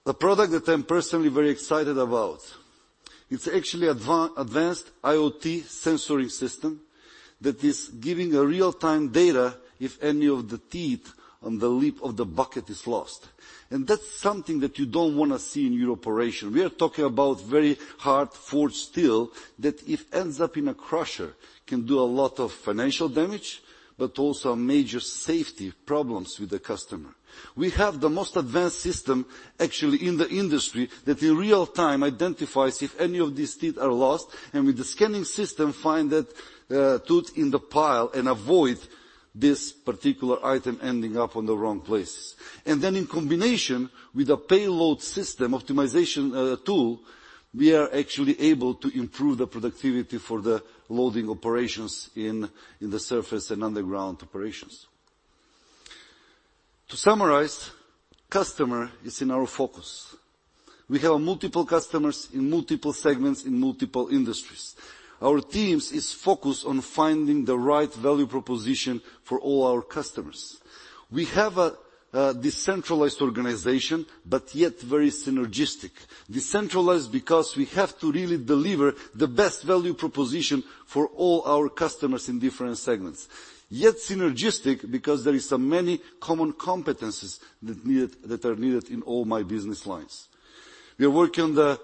A product that I'm personally very excited about. It's actually advanced IoT sensory system that is giving real-time data if any of the teeth on the lip of the bucket is lost, and that's something that you don't wanna see in your operation. We are talking about very hard-forged steel, that if ends up in a crusher, can do a lot of financial damage, but also major safety problems with the customer. We have the most advanced system actually in the industry, that in real-time identifies if any of these teeth are lost, and with the scanning system, find that tooth in the pile and avoid this particular item ending up on the wrong place. In combination with the payload system optimization tool, we are actually able to improve the productivity for the loading operations in the surface and underground operations. To summarize, customer is in our focus. We have multiple customers in multiple segments, in multiple industries. Our teams is focused on finding the right value proposition for all our customers. We have a decentralized organization, but yet very synergistic. Decentralized because we have to really deliver the best value proposition for all our customers in different segments, yet synergistic because there is so many common competencies that are needed in all my business lines. We are working on the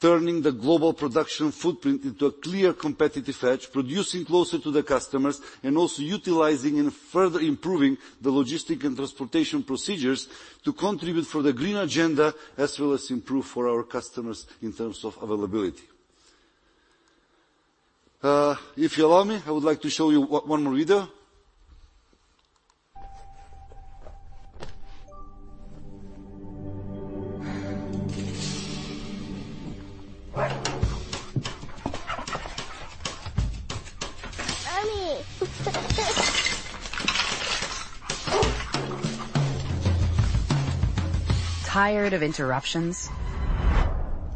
turning the global production footprint into a clear, competitive edge, producing closer to the customers, and also utilizing and further improving the logistic and transportation procedures to contribute for the green agenda, as well as improve for our customers in terms of availability. If you allow me, I would like to show you one more video. Tired of interruptions?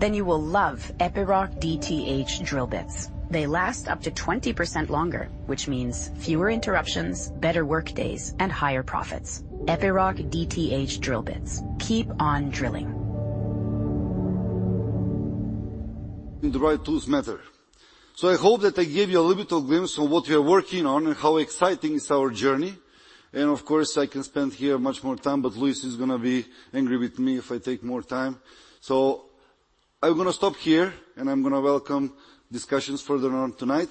You will love Epiroc DTH drill bits. They last up to 20% longer, which means fewer interruptions, better work days, and higher profits. Epiroc DTH drill bits. Keep on drilling. The right tools matter. I hope that I gave you a little bit of glimpse on what we are working on and how exciting is our journey. Of course, I can spend here much more time, but Luis is going to be angry with me if I take more time. I'm going to stop here, and I'm going to welcome discussions further on tonight.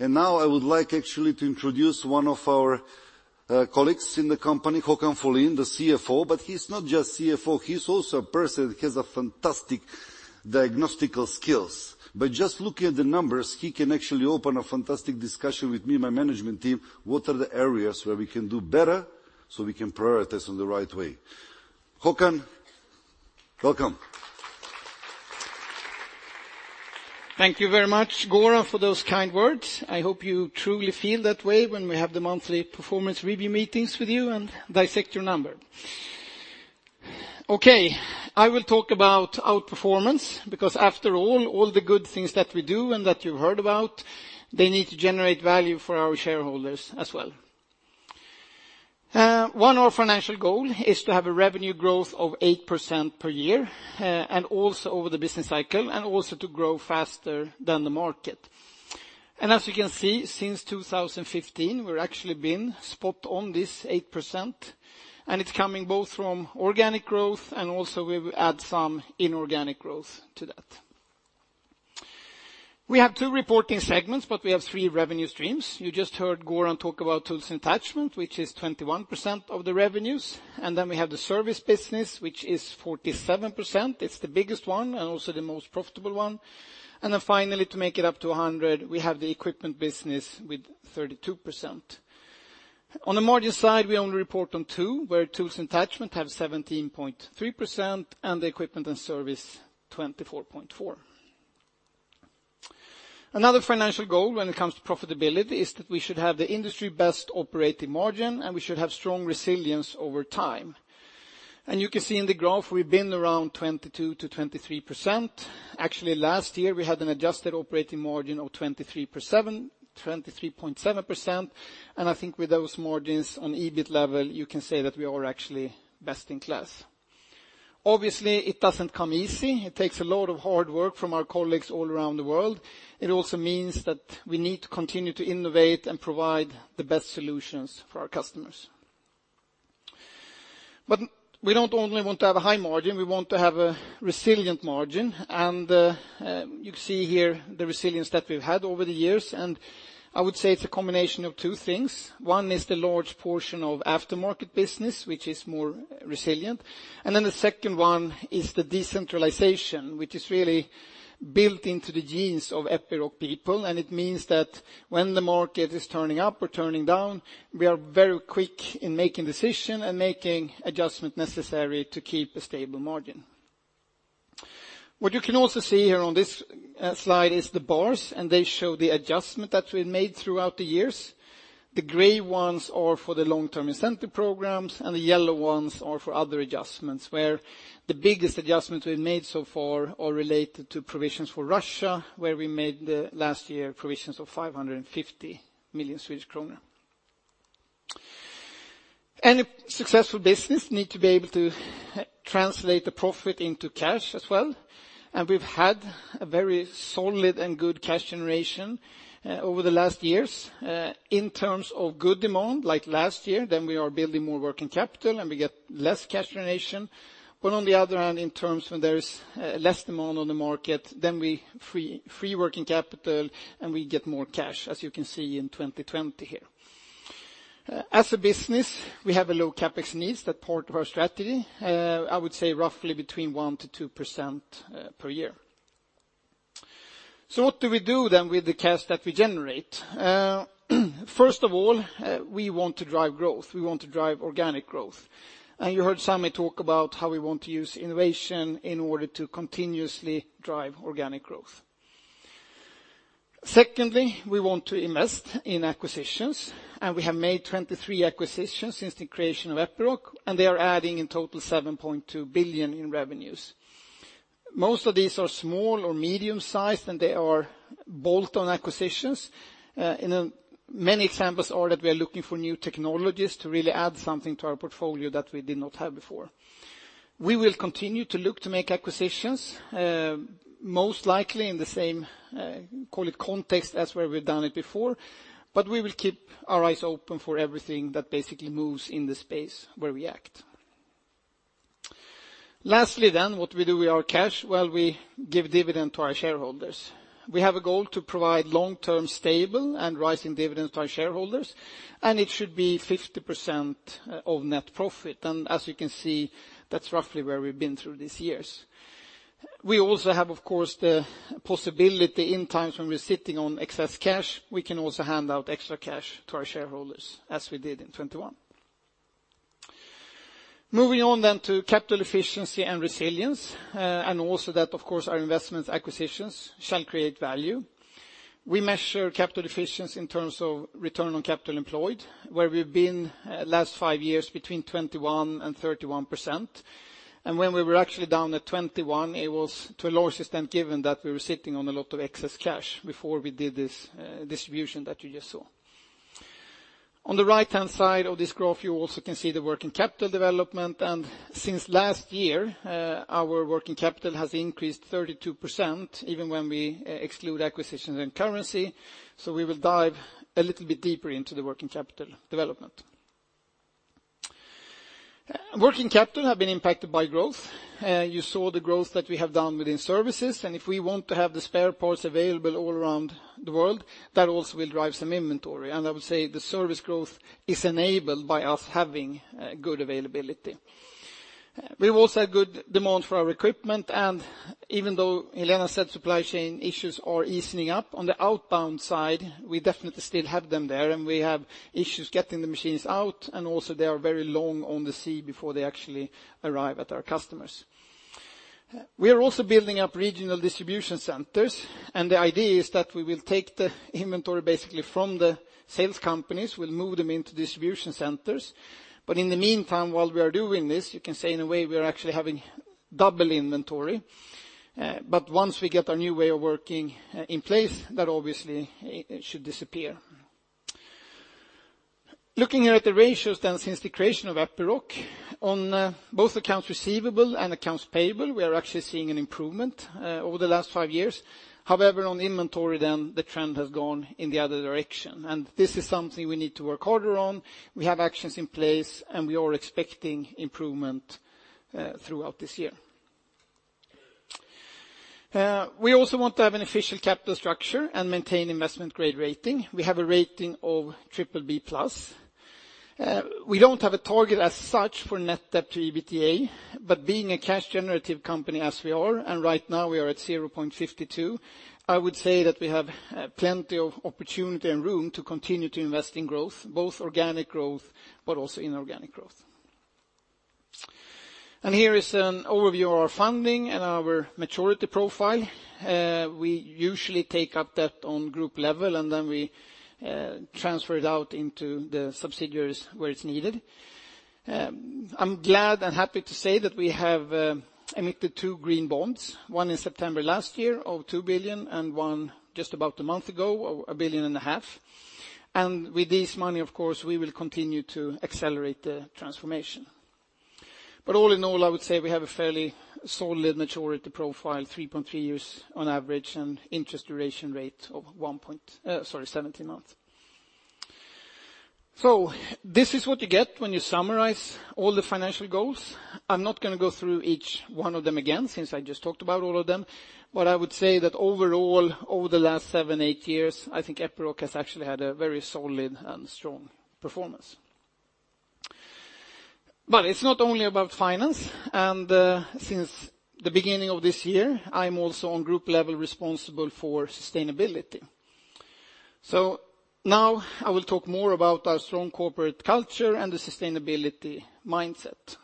Now I would like actually to introduce one of our colleagues in the company, Håkan Folin, the CFO. He's not just CFO, he's also a person that has a fantastic diagnostical skills. By just looking at the numbers, he can actually open a fantastic discussion with me and my management team, what are the areas where we can do better, so we can prioritize on the right way. Håkan, welcome. Thank you very much, Goran, for those kind words. I hope you truly feel that way when we have the monthly performance review meetings with you and dissect your number. Outperformance, because after all the good things that we do and that you've heard about, they need to generate value for our shareholders as well. One of our financial goal is to have a revenue growth of 8% per year, and also over the business cycle, and also to grow faster than the market. As you can see, since 2015, we're actually been spot on this 8%, and it's coming both from organic growth, and also we've add some inorganic growth to that. We have two reporting segments, but we have three revenue streams. You just heard Goran talk about Tools and Attachments, which is 21% of the revenues. Then we have the service business, which is 47%. It's the biggest one and also the most profitable one. Then finally, to make it up to 100, we have the equipment business with 32%. On the margin side, we only report on two, where Tools and Attachments have 17.3%, and the equipment and service, 24.4%. Another financial goal when it comes to profitability is that we should have the industry-best operating margin, and we should have strong resilience over time. You can see in the graph, we've been around 22%-23%. Actually, last year, we had an adjusted operating margin of 23.7%. I think with those margins on EBIT level, you can say that we are actually best in class. Obviously, it doesn't come easy. It takes a lot of hard work from our colleagues all around the world. It also means that we need to continue to innovate and provide the best solutions for our customers. We don't only want to have a high margin, we want to have a resilient margin, and you see here the resilience that we've had over the years. I would say it's a combination of two things. One is the large portion of aftermarket business, which is more resilient. The second one is the decentralization, which is really built into the genes of Epiroc people, and it means that when the market is turning up or turning down, we are very quick in making decision and making adjustment necessary to keep a stable margin. What you can also see here on this slide is the bars, and they show the adjustment that we've made throughout the years. The gray ones are for the long-term incentive programs, and the yellow ones are for other adjustments, where the biggest adjustments we've made so far are related to provisions for Russia, where we made the last year provisions of 550 million Swedish kronor. Any successful business need to be able to translate the profit into cash as well, and we've had a very solid and good cash generation over the last years. In terms of good demand, like last year, then we are building more working capital, and we get less cash generation. On the other hand, in terms when there is less demand on the market, then we free working capital, and we get more cash, as you can see in 2020 here. As a business, we have a low CapEx needs. That's part of our strategy. I would say roughly between 1%-2% per year. What do we do then with the cash that we generate? First of all, we want to drive growth. We want to drive organic growth, and you heard Sami talk about how we want to use innovation in order to continuously drive organic growth. Secondly, we want to invest in acquisitions. We have made 23 acquisitions since the creation of Epiroc. They are adding in total 7.2 billion in revenues. Most of these are small or medium-sized, and they are bolt-on acquisitions. Many examples are that we are looking for new technologies to really add something to our portfolio that we did not have before. We will continue to look to make acquisitions, most likely in the same call it context as where we've done it before, but we will keep our eyes open for everything that basically moves in the space where we act. Lastly, what we do with our cash, well, we give dividend to our shareholders. We have a goal to provide long-term stable and rising dividends to our shareholders. It should be 50% of net profit. As you can see, that's roughly where we've been through these years. We also have, of course, the possibility in times when we're sitting on excess cash, we can also hand out extra cash to our shareholders, as we did in 21. Moving on to capital efficiency and resilience, and also that, of course, our investments acquisitions shall create value. We measure capital efficiency in terms of return on capital employed, where we've been last five years between 21% and 31%. When we were actually down to 21, it was to a large extent given that we were sitting on a lot of excess cash before we did this distribution that you just saw. On the right-hand side of this graph, you also can see the working capital development, and since last year, our working capital has increased 32%, even when we exclude acquisitions and currency, so we will dive a little bit deeper into the working capital development. Working capital have been impacted by growth. You saw the growth that we have done within services, and if we want to have the spare parts available all around the world, that also will drive some inventory. I would say the service growth is enabled by us having good availability. We've also had good demand for our equipment, and even though Helena said supply chain issues are easing up, on the outbound side, we definitely still have them there, and we have issues getting the machines out, and also they are very long on the sea before they actually arrive at our customers. We are also building up regional distribution centers, and the idea is that we will take the inventory basically from the sales companies. We'll move them into distribution centers. In the meantime, while we are doing this, you can say in a way, we are actually having double inventory, but once we get our new way of working in place, that obviously should disappear. Looking here at the ratios then since the creation of Epiroc, on both accounts receivable and accounts payable, we are actually seeing an improvement over the last five years. However, on inventory, then the trend has gone in the other direction, and this is something we need to work harder on. We have actions in place, and we are expecting improvement throughout this year. We also want to have an official capital structure and maintain investment grade rating. We have a rating of BBB+. We don't have a target as such for net debt to EBITDA, but being a cash-generative company as we are, and right now we are at 0.52, I would say that we have plenty of opportunity and room to continue to invest in growth, both organic growth but also inorganic growth. Here is an overview of our funding and our maturity profile. We usually take up debt on group level, we transfer it out into the subsidiaries where it's needed. I'm glad and happy to say that we have emitted two green bonds, one in September last year of 2 billion, and one just about a month ago of 1 billion and a half. With this money, of course, we will continue to accelerate the transformation. All in all, I would say we have a fairly solid maturity profile, 3.3 years on average, and interest duration rate of 17 months. This is what you get when you summarize all the financial goals. I'm not gonna go through each one of them again, since I just talked about all of them. I would say that overall, over the last seven, eight years, I think Epiroc has actually had a very solid and strong performance. It's not only about finance, and since the beginning of this year, I'm also on group level responsible for sustainability. Now I will talk more about our strong corporate culture and the sustainability mindset.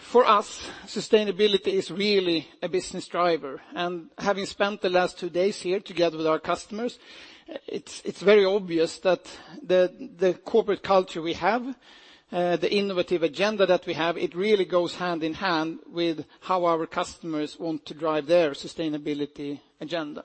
For us, sustainability is really a business driver, and having spent the last two days here together with our customers, it's very obvious that the corporate culture we have, the innovative agenda that we have, it really goes hand in hand with how our customers want to drive their sustainability agenda.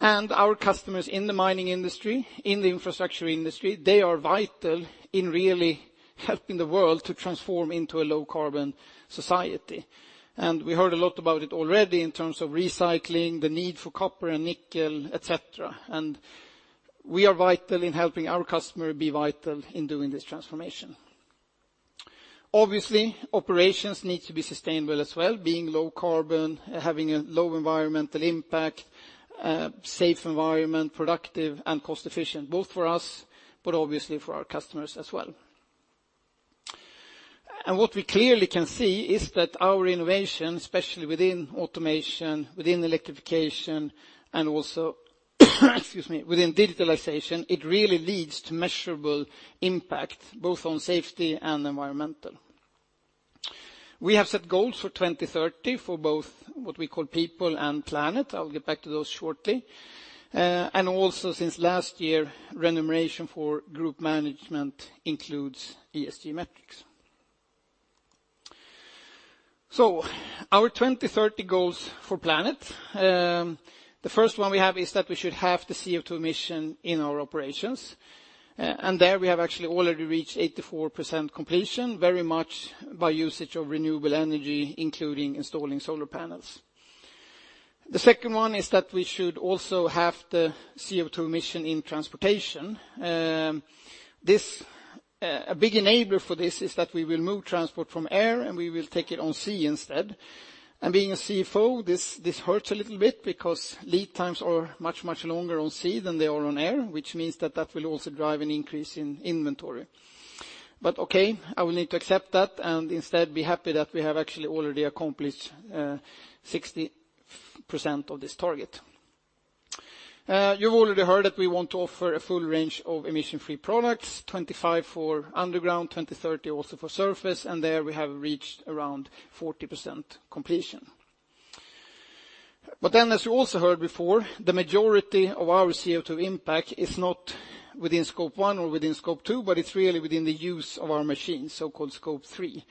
Our customers in the mining industry, in the infrastructure industry, they are vital in really helping the world to transform into a low carbon society. We heard a lot about it already in terms of recycling, the need for copper and nickel, et cetera. We are vital in helping our customer be vital in doing this transformation. Obviously, operations need to be sustainable as well, being low carbon, having a low environmental impact, safe environment, productive and cost efficient, both for us, but obviously for our customers as well. What we clearly can see is that our innovation, especially within automation, within electrification, and also, excuse me, within digitalization, it really leads to measurable impact, both on safety and environmental. We have set goals for 2030 for both what we call people and planet. I'll get back to those shortly. Also since last year, renumeration for group management includes ESG metrics. Our 2030 goals for planet, the first one we have is that we should halve the CO2 emission in our operations. There we have actually already reached 84% completion, very much by usage of renewable energy, including installing solar panels. The second one is that we should also halve the CO2 emission in transportation. This, a big enabler for this is that we will move transport from air, and we will take it on sea instead. Being a CFO, this hurts a little bit because lead times are much, much longer on sea than they are on air, which means that that will also drive an increase in inventory. Okay, I will need to accept that, and instead be happy that we have actually already accomplished 60% of this target. You've already heard that we want to offer a full range of emission-free products, 25 for underground, 2030 also for surface. There we have reached around 40% completion. As you also heard before, the majority of our CO2 impact is not within Scope 1 or within Scope 2, but it's really within the use of our machines, so-called Scope 3.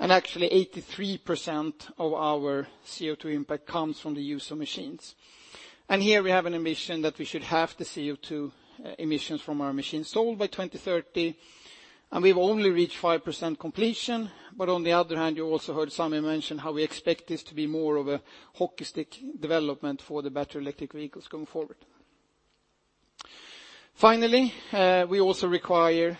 83% of our CO2 impact comes from the use of machines. Here we have an emission that we should halve the CO2 emissions from our machines sold by 2030. We've only reached 5% completion. You also heard Sami mention how we expect this to be more of a hockey stick development for the battery electric vehicles going forward. Finally, we also require,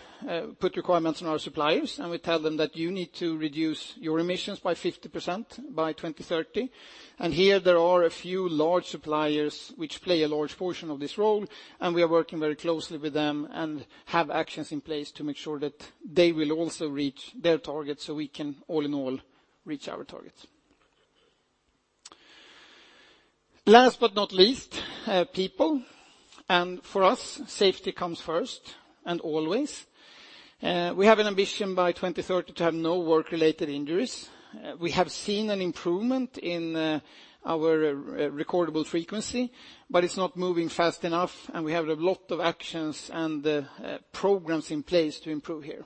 put requirements on our suppliers, and we tell them that you need to reduce your emissions by 50% by 2030. Here there are a few large suppliers which play a large portion of this role, and we are working very closely with them and have actions in place to make sure that they will also reach their targets, so we can, all in all, reach our targets. Last but not least, people, and for us, safety comes first and always. We have an ambition by 2030 to have no work-related injuries. We have seen an improvement in our recordable frequency, but it's not moving fast enough, and we have a lot of actions and programs in place to improve here.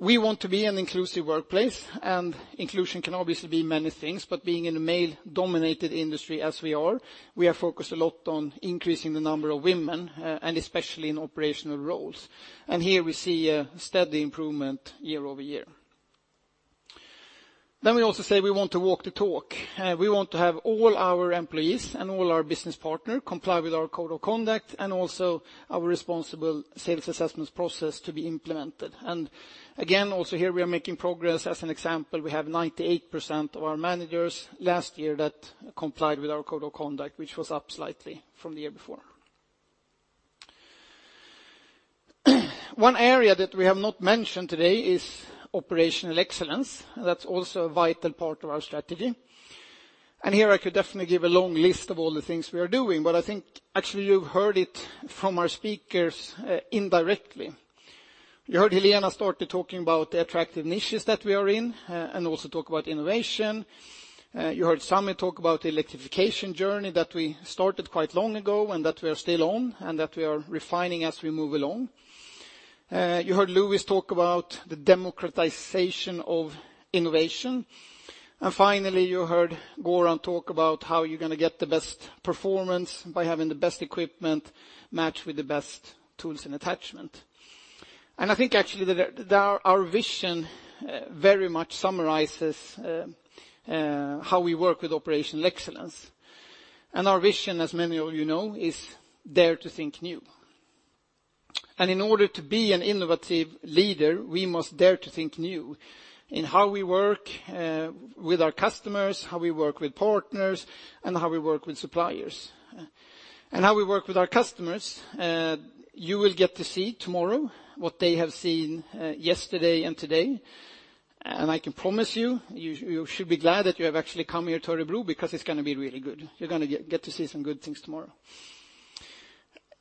We want to be an inclusive workplace, and inclusion can obviously be many things, but being in a male-dominated industry as we are, we are focused a lot on increasing the number of women, and especially in operational roles. Here we see a steady improvement year-over-year. We also say we want to walk the talk. We want to have all our employees and all our business partner comply with our code of conduct and also our responsible sales assessments process to be implemented. Again, also here, we are making progress. As an example, we have 98% of our managers last year that complied with our code of conduct, which was up slightly from the year before. One area that we have not mentioned today is operational excellence, and that's also a vital part of our strategy. Here I could definitely give a long list of all the things we are doing, but I think actually you've heard it from our speakers, indirectly. You heard Helena start to talking about the attractive niches that we are in, and also talk about innovation. You heard Sammy talk about the electrification journey that we started quite long ago, and that we are still on, and that we are refining as we move along. You heard Luis talk about the democratization of innovation, and finally, you heard Goran talk about how you're gonna get the best performance by having the best equipment matched with the best tools and attachment. I think actually that our vision, very much summarizes, how we work with operational excellence. Our vision, as many of you know, is dare to think new. In order to be an innovative leader, we must dare to think new in how we work with our customers, how we work with partners, and how we work with suppliers. How we work with our customers, you will get to see tomorrow what they have seen yesterday and today. I can promise you should be glad that you have actually come here to Örebro because it's gonna be really good. You're gonna get to see some good things tomorrow.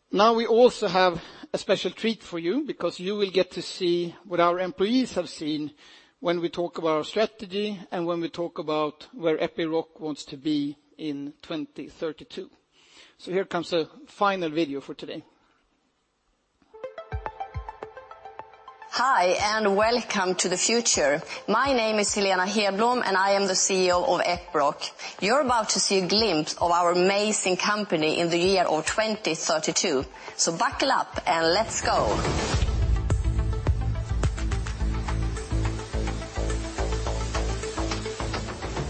We also have a special treat for you because you will get to see what our employees have seen when we talk about our strategy and when we talk about where Epiroc wants to be in 2032. Here comes a final video for today. Hi, and welcome to the future. My name is Helena Hedblom, and I am the CEO of Epiroc. You're about to see a glimpse of our amazing company in the year of 2032. Buckle up, and let's go.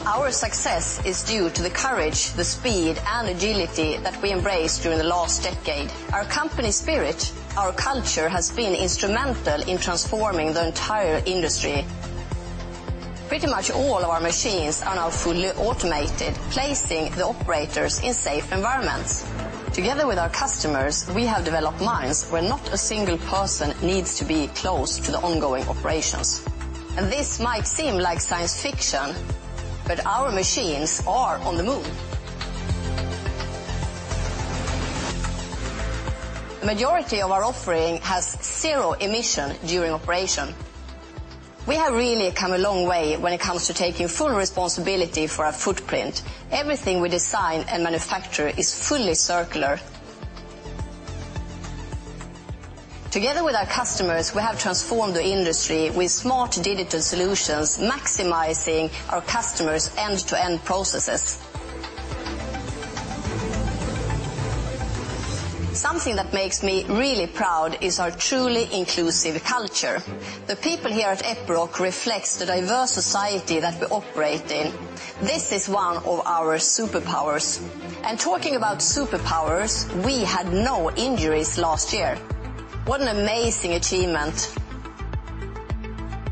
Our success is due to the courage, the speed, and agility that we embraced during the last decade. Our company spirit, our culture, has been instrumental in transforming the entire industry. Pretty much all of our machines are now fully automated, placing the operators in safe environments. Together with our customers, we have developed mines where not a single person needs to be close to the ongoing operations. This might seem like science fiction, but our machines are on the moon. The majority of our offering has zero emission during operation. We have really come a long way when it comes to taking full responsibility for our footprint. Everything we design and manufacture is fully circular. Together with our customers, we have transformed the industry with smart digital solutions, maximizing our customers' end-to-end processes. Something that makes me really proud is our truly inclusive culture. The people here at Epiroc reflects the diverse society that we operate in. This is one of our superpowers. Talking about superpowers, we had no injuries last year. What an amazing achievement!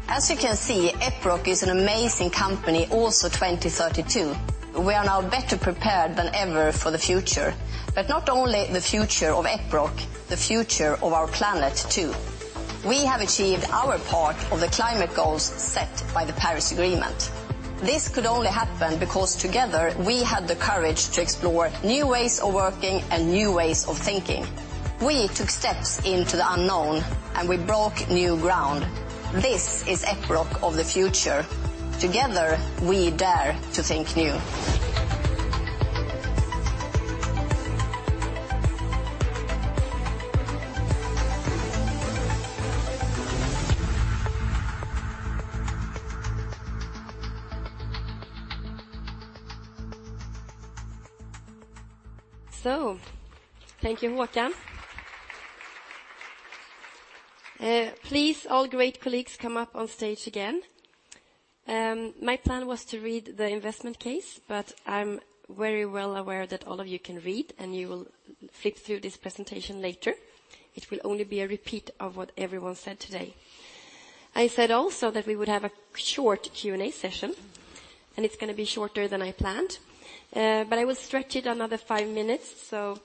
As you can see, Epiroc is an amazing company, also 2032. We are now better prepared than ever for the future, not only the future of Epiroc, the future of our planet, too. We have achieved our part of the climate goals set by the Paris Agreement. This could only happen because together, we had the courage to explore new ways of working and new ways of thinking. We took steps into the unknown, and we broke new ground. This is Epiroc of the future. Together, we dare to think new. Thank you, Håkan. Please, all great colleagues, come up on stage again. My plan was to read the investment case, but I'm very well aware that all of you can read, and you will flip through this presentation later. It will only be a repeat of what everyone said today. I said also that we would have a short Q&A session, and it's gonna be shorter than I planned, but I will stretch it another five minutes, so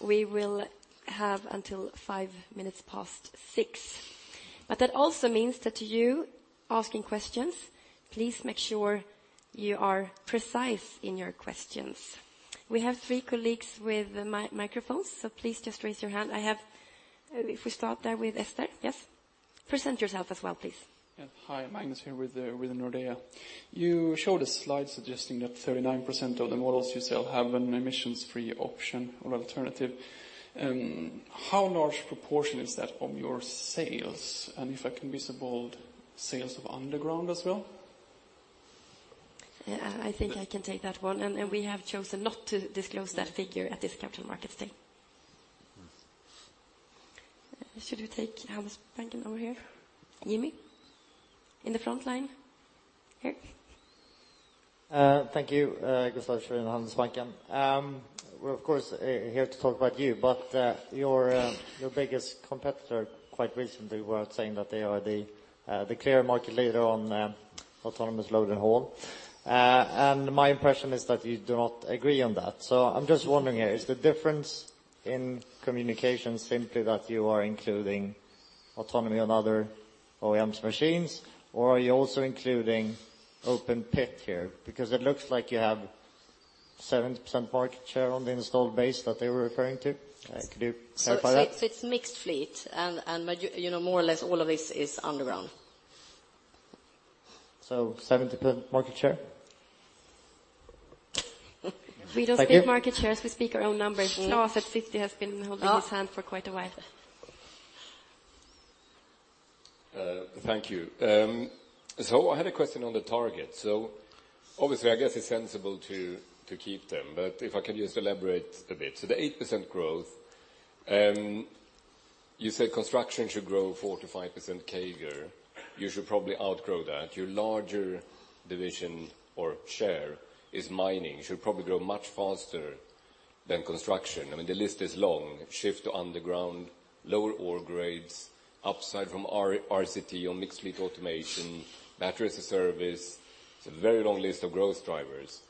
we will have until five minutes past six. That also means that you asking questions, please make sure you are precise in your questions. We have three colleagues with microphones, so please just raise your hand. I have. If we start there with Esther. Yes. Present yourself as well, please. Yeah. Hi, Magnus here with Nordea. You showed a slide suggesting that 39% of the models you sell have an emissions-free option or alternative. How large proportion is that of your sales? If I can be so bold, sales of underground as well? Yeah, I think I can take that one, and we have chosen not to disclose that figure at this Capital Markets Day. Mm. Should we take Handelsbanken over here? Jimmy, in the front line. Here. Thank you. Gustaf Schwerin, Handelsbanken. We're of course, here to talk about you, your biggest competitor quite recently were saying that they are the clear market leader on autonomous load and haul. My impression is that you do not agree on that. I'm just wondering here, is the difference in communication simply that you are including autonomy on other OEMs machines, or are you also including open pit here? It looks like you have 70% market share on the installed base that they were referring to. Could you clarify that? It's mixed fleet and, you know, more or less, all of this is underground. 70% market share? We don't- Thank you. speak market shares. We speak our own numbers. Claes at SEB has been holding his hand for quite a while. Thank you. I had a question on the target. Obviously, I guess it's sensible to keep them, but if I could just elaborate a bit. The 8% growth, you said construction should grow 4%-5% CAGR. You should probably outgrow that. Your larger division or share is mining, should probably grow much faster than construction. I mean, the list is long: shift to underground, lower ore grades, upside from RCT on mixed fleet automation, Batteries as a Service. It's a very long list of growth drivers.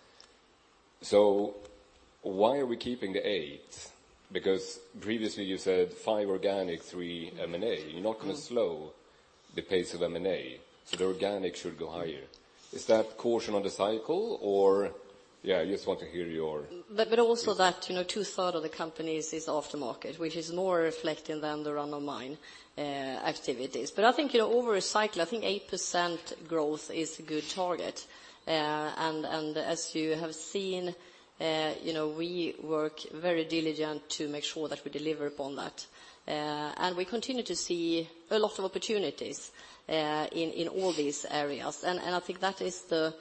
Why are we keeping the 8%? Because previously you said 5% organic, 3% M&A. Mm. You're not gonna slow the pace of M&A, so the organic should go higher. Is that caution on the cycle or...? Yeah, I just want to hear your- Also that, you know, two-third of the companies is aftermarket, which is more reflecting than the run-of-mine activities. I think, you know, over a cycle, I think 8% growth is a good target. As you have seen, you know, we work very diligent to make sure that we deliver upon that. We continue to see a lot of opportunities in all these areas. I think that is the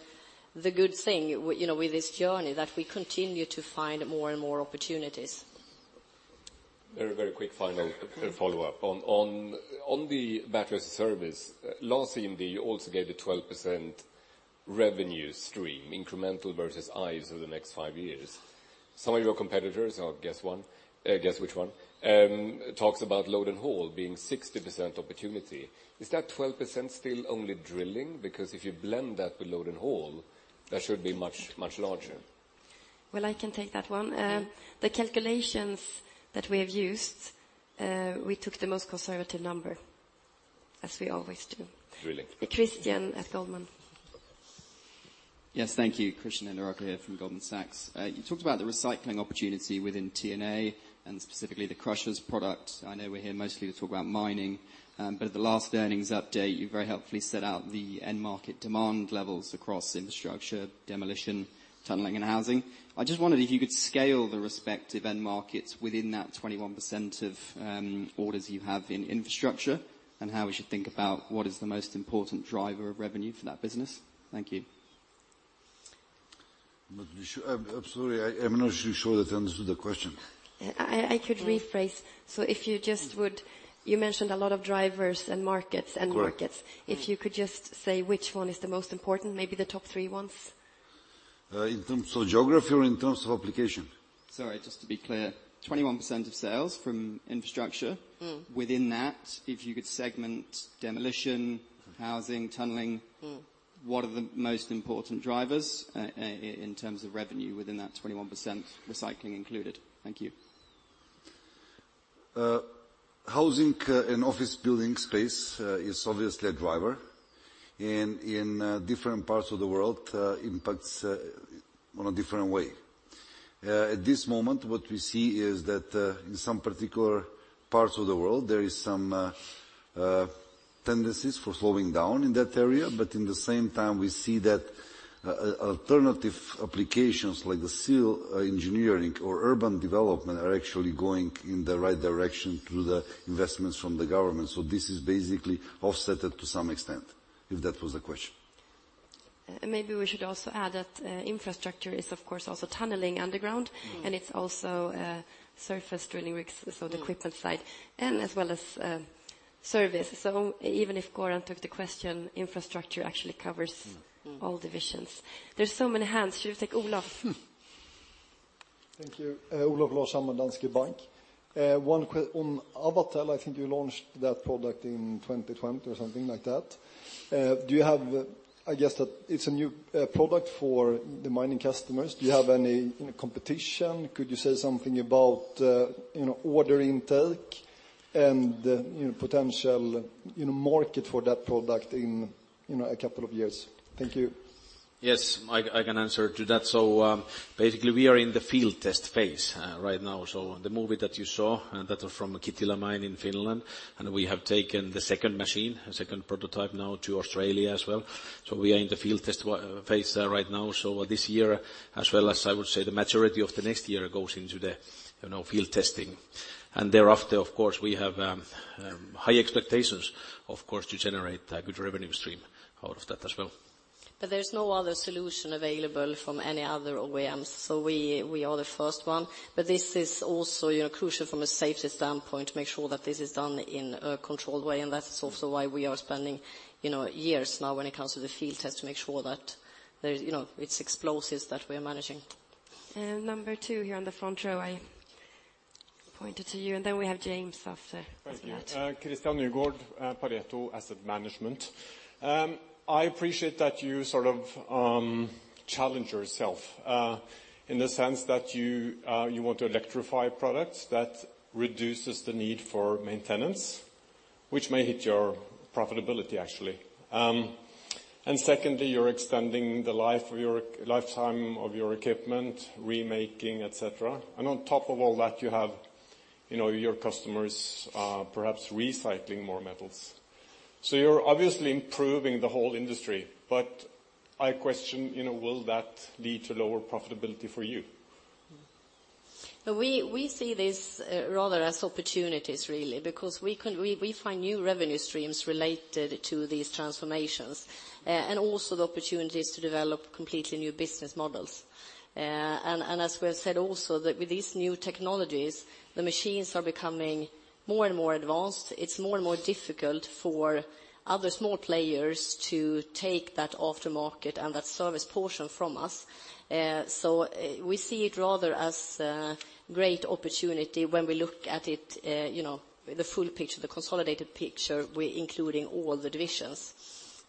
good thing, you know, with this journey, that we continue to find more and more opportunities. Very quick final follow-up. On the battery service, last CMD also gave a 12% revenue stream, incremental versus ICE over the next five years. Some of your competitors, I'll guess one, guess which one, talks about load and haul being 60% opportunity. Is that 12% still only drilling? If you blend that with load and haul, that should be much larger. Well, I can take that one. The calculations that we have used, we took the most conservative number, as we always do. Really? Christian at Goldman. Yes, thank you. Christian Arauca here from Goldman Sachs. You talked about the recycling opportunity within T&A, and specifically, the crushers product. I know we're here mostly to talk about mining, but at the last earnings update, you very helpfully set out the end market demand levels across infrastructure, demolition, tunneling, and housing. I just wondered if you could scale the respective end markets within that 21% of orders you have in infrastructure, and how we should think about what is the most important driver of revenue for that business? Thank you. I'm sorry, I'm not sure that I understood the question. I could rephrase. You mentioned a lot of drivers and markets, end markets. Correct. If you could just say which one is the most important, maybe the top three ones. In terms of geography or in terms of application? Sorry, just to be clear, 21% of sales from infrastructure. Mm-hmm. Within that, if you could segment demolition, housing, tunneling- Mm-hmm. What are the most important drivers in terms of revenue within that 21%, recycling included? Thank you. Housing and office building space is obviously a driver. In different parts of the world impacts on a different way. At this moment, what we see is that in some particular parts of the world, there is some tendencies for slowing down in that area, but in the same time, we see that alternative applications, like the civil engineering or urban development, are actually going in the right direction through the investments from the government. This is basically offset it to some extent, if that was the question. Maybe we should also add that infrastructure is, of course, also tunneling underground. Mm-hmm. It's also, surface drilling rigs, so the equipment side, as well as, service. Even if Goran took the question, infrastructure actually covers. Mm. -all divisions. There's so many hands. Should we take Olof? Thank you. Olof Larshammar with Danske Bank. One on Avatel, I think you launched that product in 2020 or something like that. Do you have, I guess that it's a new product for the mining customers. Do you have any, you know, competition? Could you say something about, you know, order intake and, you know, potential, you know, market for that product in, you know, a couple of years? Thank you. Yes, I can answer to that. Basically, we are in the field test phase right now. The movie that you saw, that is from Kittilä mine in Finland, and we have taken the second machine, a second prototype now to Australia as well. We are in the field test phase right now. This year, as well as I would say the majority of the next year, goes into the, you know, field testing. Thereafter, of course, we have high expectations, of course, to generate a good revenue stream out of that as well. There's no other solution available from any other OEMs, so we are the first one. This is also, you know, crucial from a safety standpoint, to make sure that this is done in a controlled way, and that's also why we are spending, you know, years now when it comes to the field test, to make sure that there's, you know, it's explosives that we are managing. Number two here on the front row, I pointed to you, and then we have James after that. Thank you. Christian Nygård, Pareto Asset Management. I appreciate that you sort of challenge yourself in the sense that you want to electrify products that reduces the need for maintenance, which may hit your profitability, actually. Secondly, you're extending the lifetime of your equipment, remaking, et cetera. On top of all that, you have, you know, your customers perhaps recycling more metals. You're obviously improving the whole industry, but I question, you know, will that lead to lower profitability for you? Well, we see this rather as opportunities, really, because we find new revenue streams related to these transformations, and also the opportunities to develop completely new business models. As we have said also, that with these new technologies, the machines are becoming more and more advanced. It's more and more difficult for other small players to take that aftermarket and that service portion from us. We see it rather as a great opportunity when we look at it, you know, the full picture, the consolidated picture, we're including all the divisions.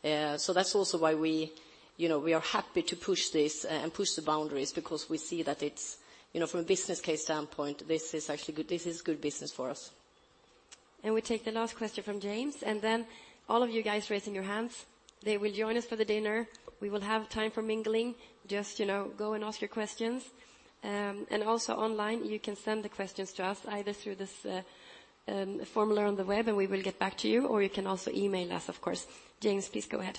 That's also why we, you know, we are happy to push this and push the boundaries, because we see that it's. You know, from a business case standpoint, this is actually good, this is good business for us. We take the last question from James, all of you guys raising your hands, they will join us for the dinner. We will have time for mingling. Just, you know, go and ask your questions. Also online, you can send the questions to us, either through this, formula on the web, we will get back to you, or you can also email us, of course. James, please go ahead.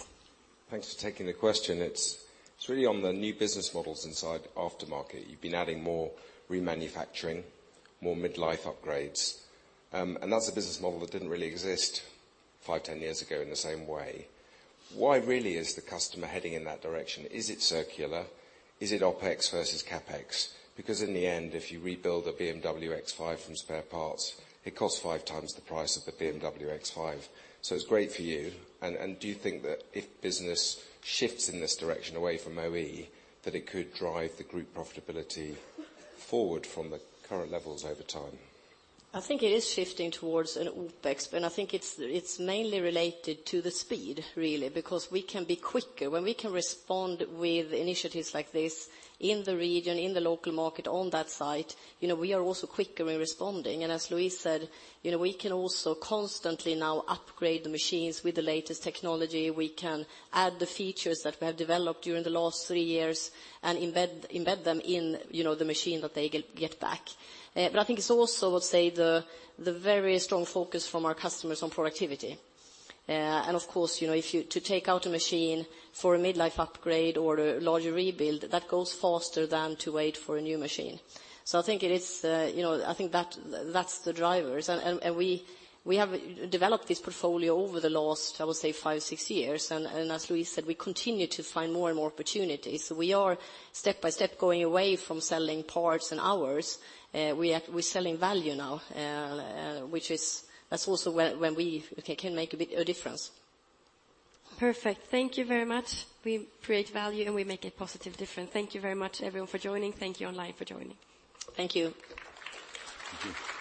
Thanks for taking the question. It's really on the new business models inside aftermarket. You've been adding more remanufacturing, more mid-life upgrades, that's a business model that didn't really exist five, 10 years ago in the same way. Why really is the customer heading in that direction? Is it circular? Is it OpEx versus CapEx? In the end, if you rebuild a BMW X5 from spare parts, it costs five times the price of the BMW X5. It's great for you, and do you think that if business shifts in this direction away from OE, that it could drive the group profitability forward from the current levels over time? I think it is shifting towards an OpEx, I think it's mainly related to the speed, really, because we can be quicker. When we can respond with initiatives like this in the region, in the local market, on that site, you know, we are also quicker in responding. As Luis said, you know, we can also constantly now upgrade the machines with the latest technology. We can add the features that we have developed during the last three years and embed them in, you know, the machine that they get back. I think it's also, I would say, the very strong focus from our customers on productivity. Of course, you know, if you to take out a machine for a mid-life upgrade or a larger rebuild, that goes faster than to wait for a new machine. I think it is the, you know I think that's the drivers. We have developed this portfolio over the last, I would say, five, six years. As Luis said, we continue to find more and more opportunities. We are step by step, going away from selling parts and hours, we're selling value now, that's also where, when we can make a big difference. Perfect. Thank you very much. We create value, and we make a positive difference. Thank you very much, everyone, for joining. Thank you online for joining. Thank you. Thank you.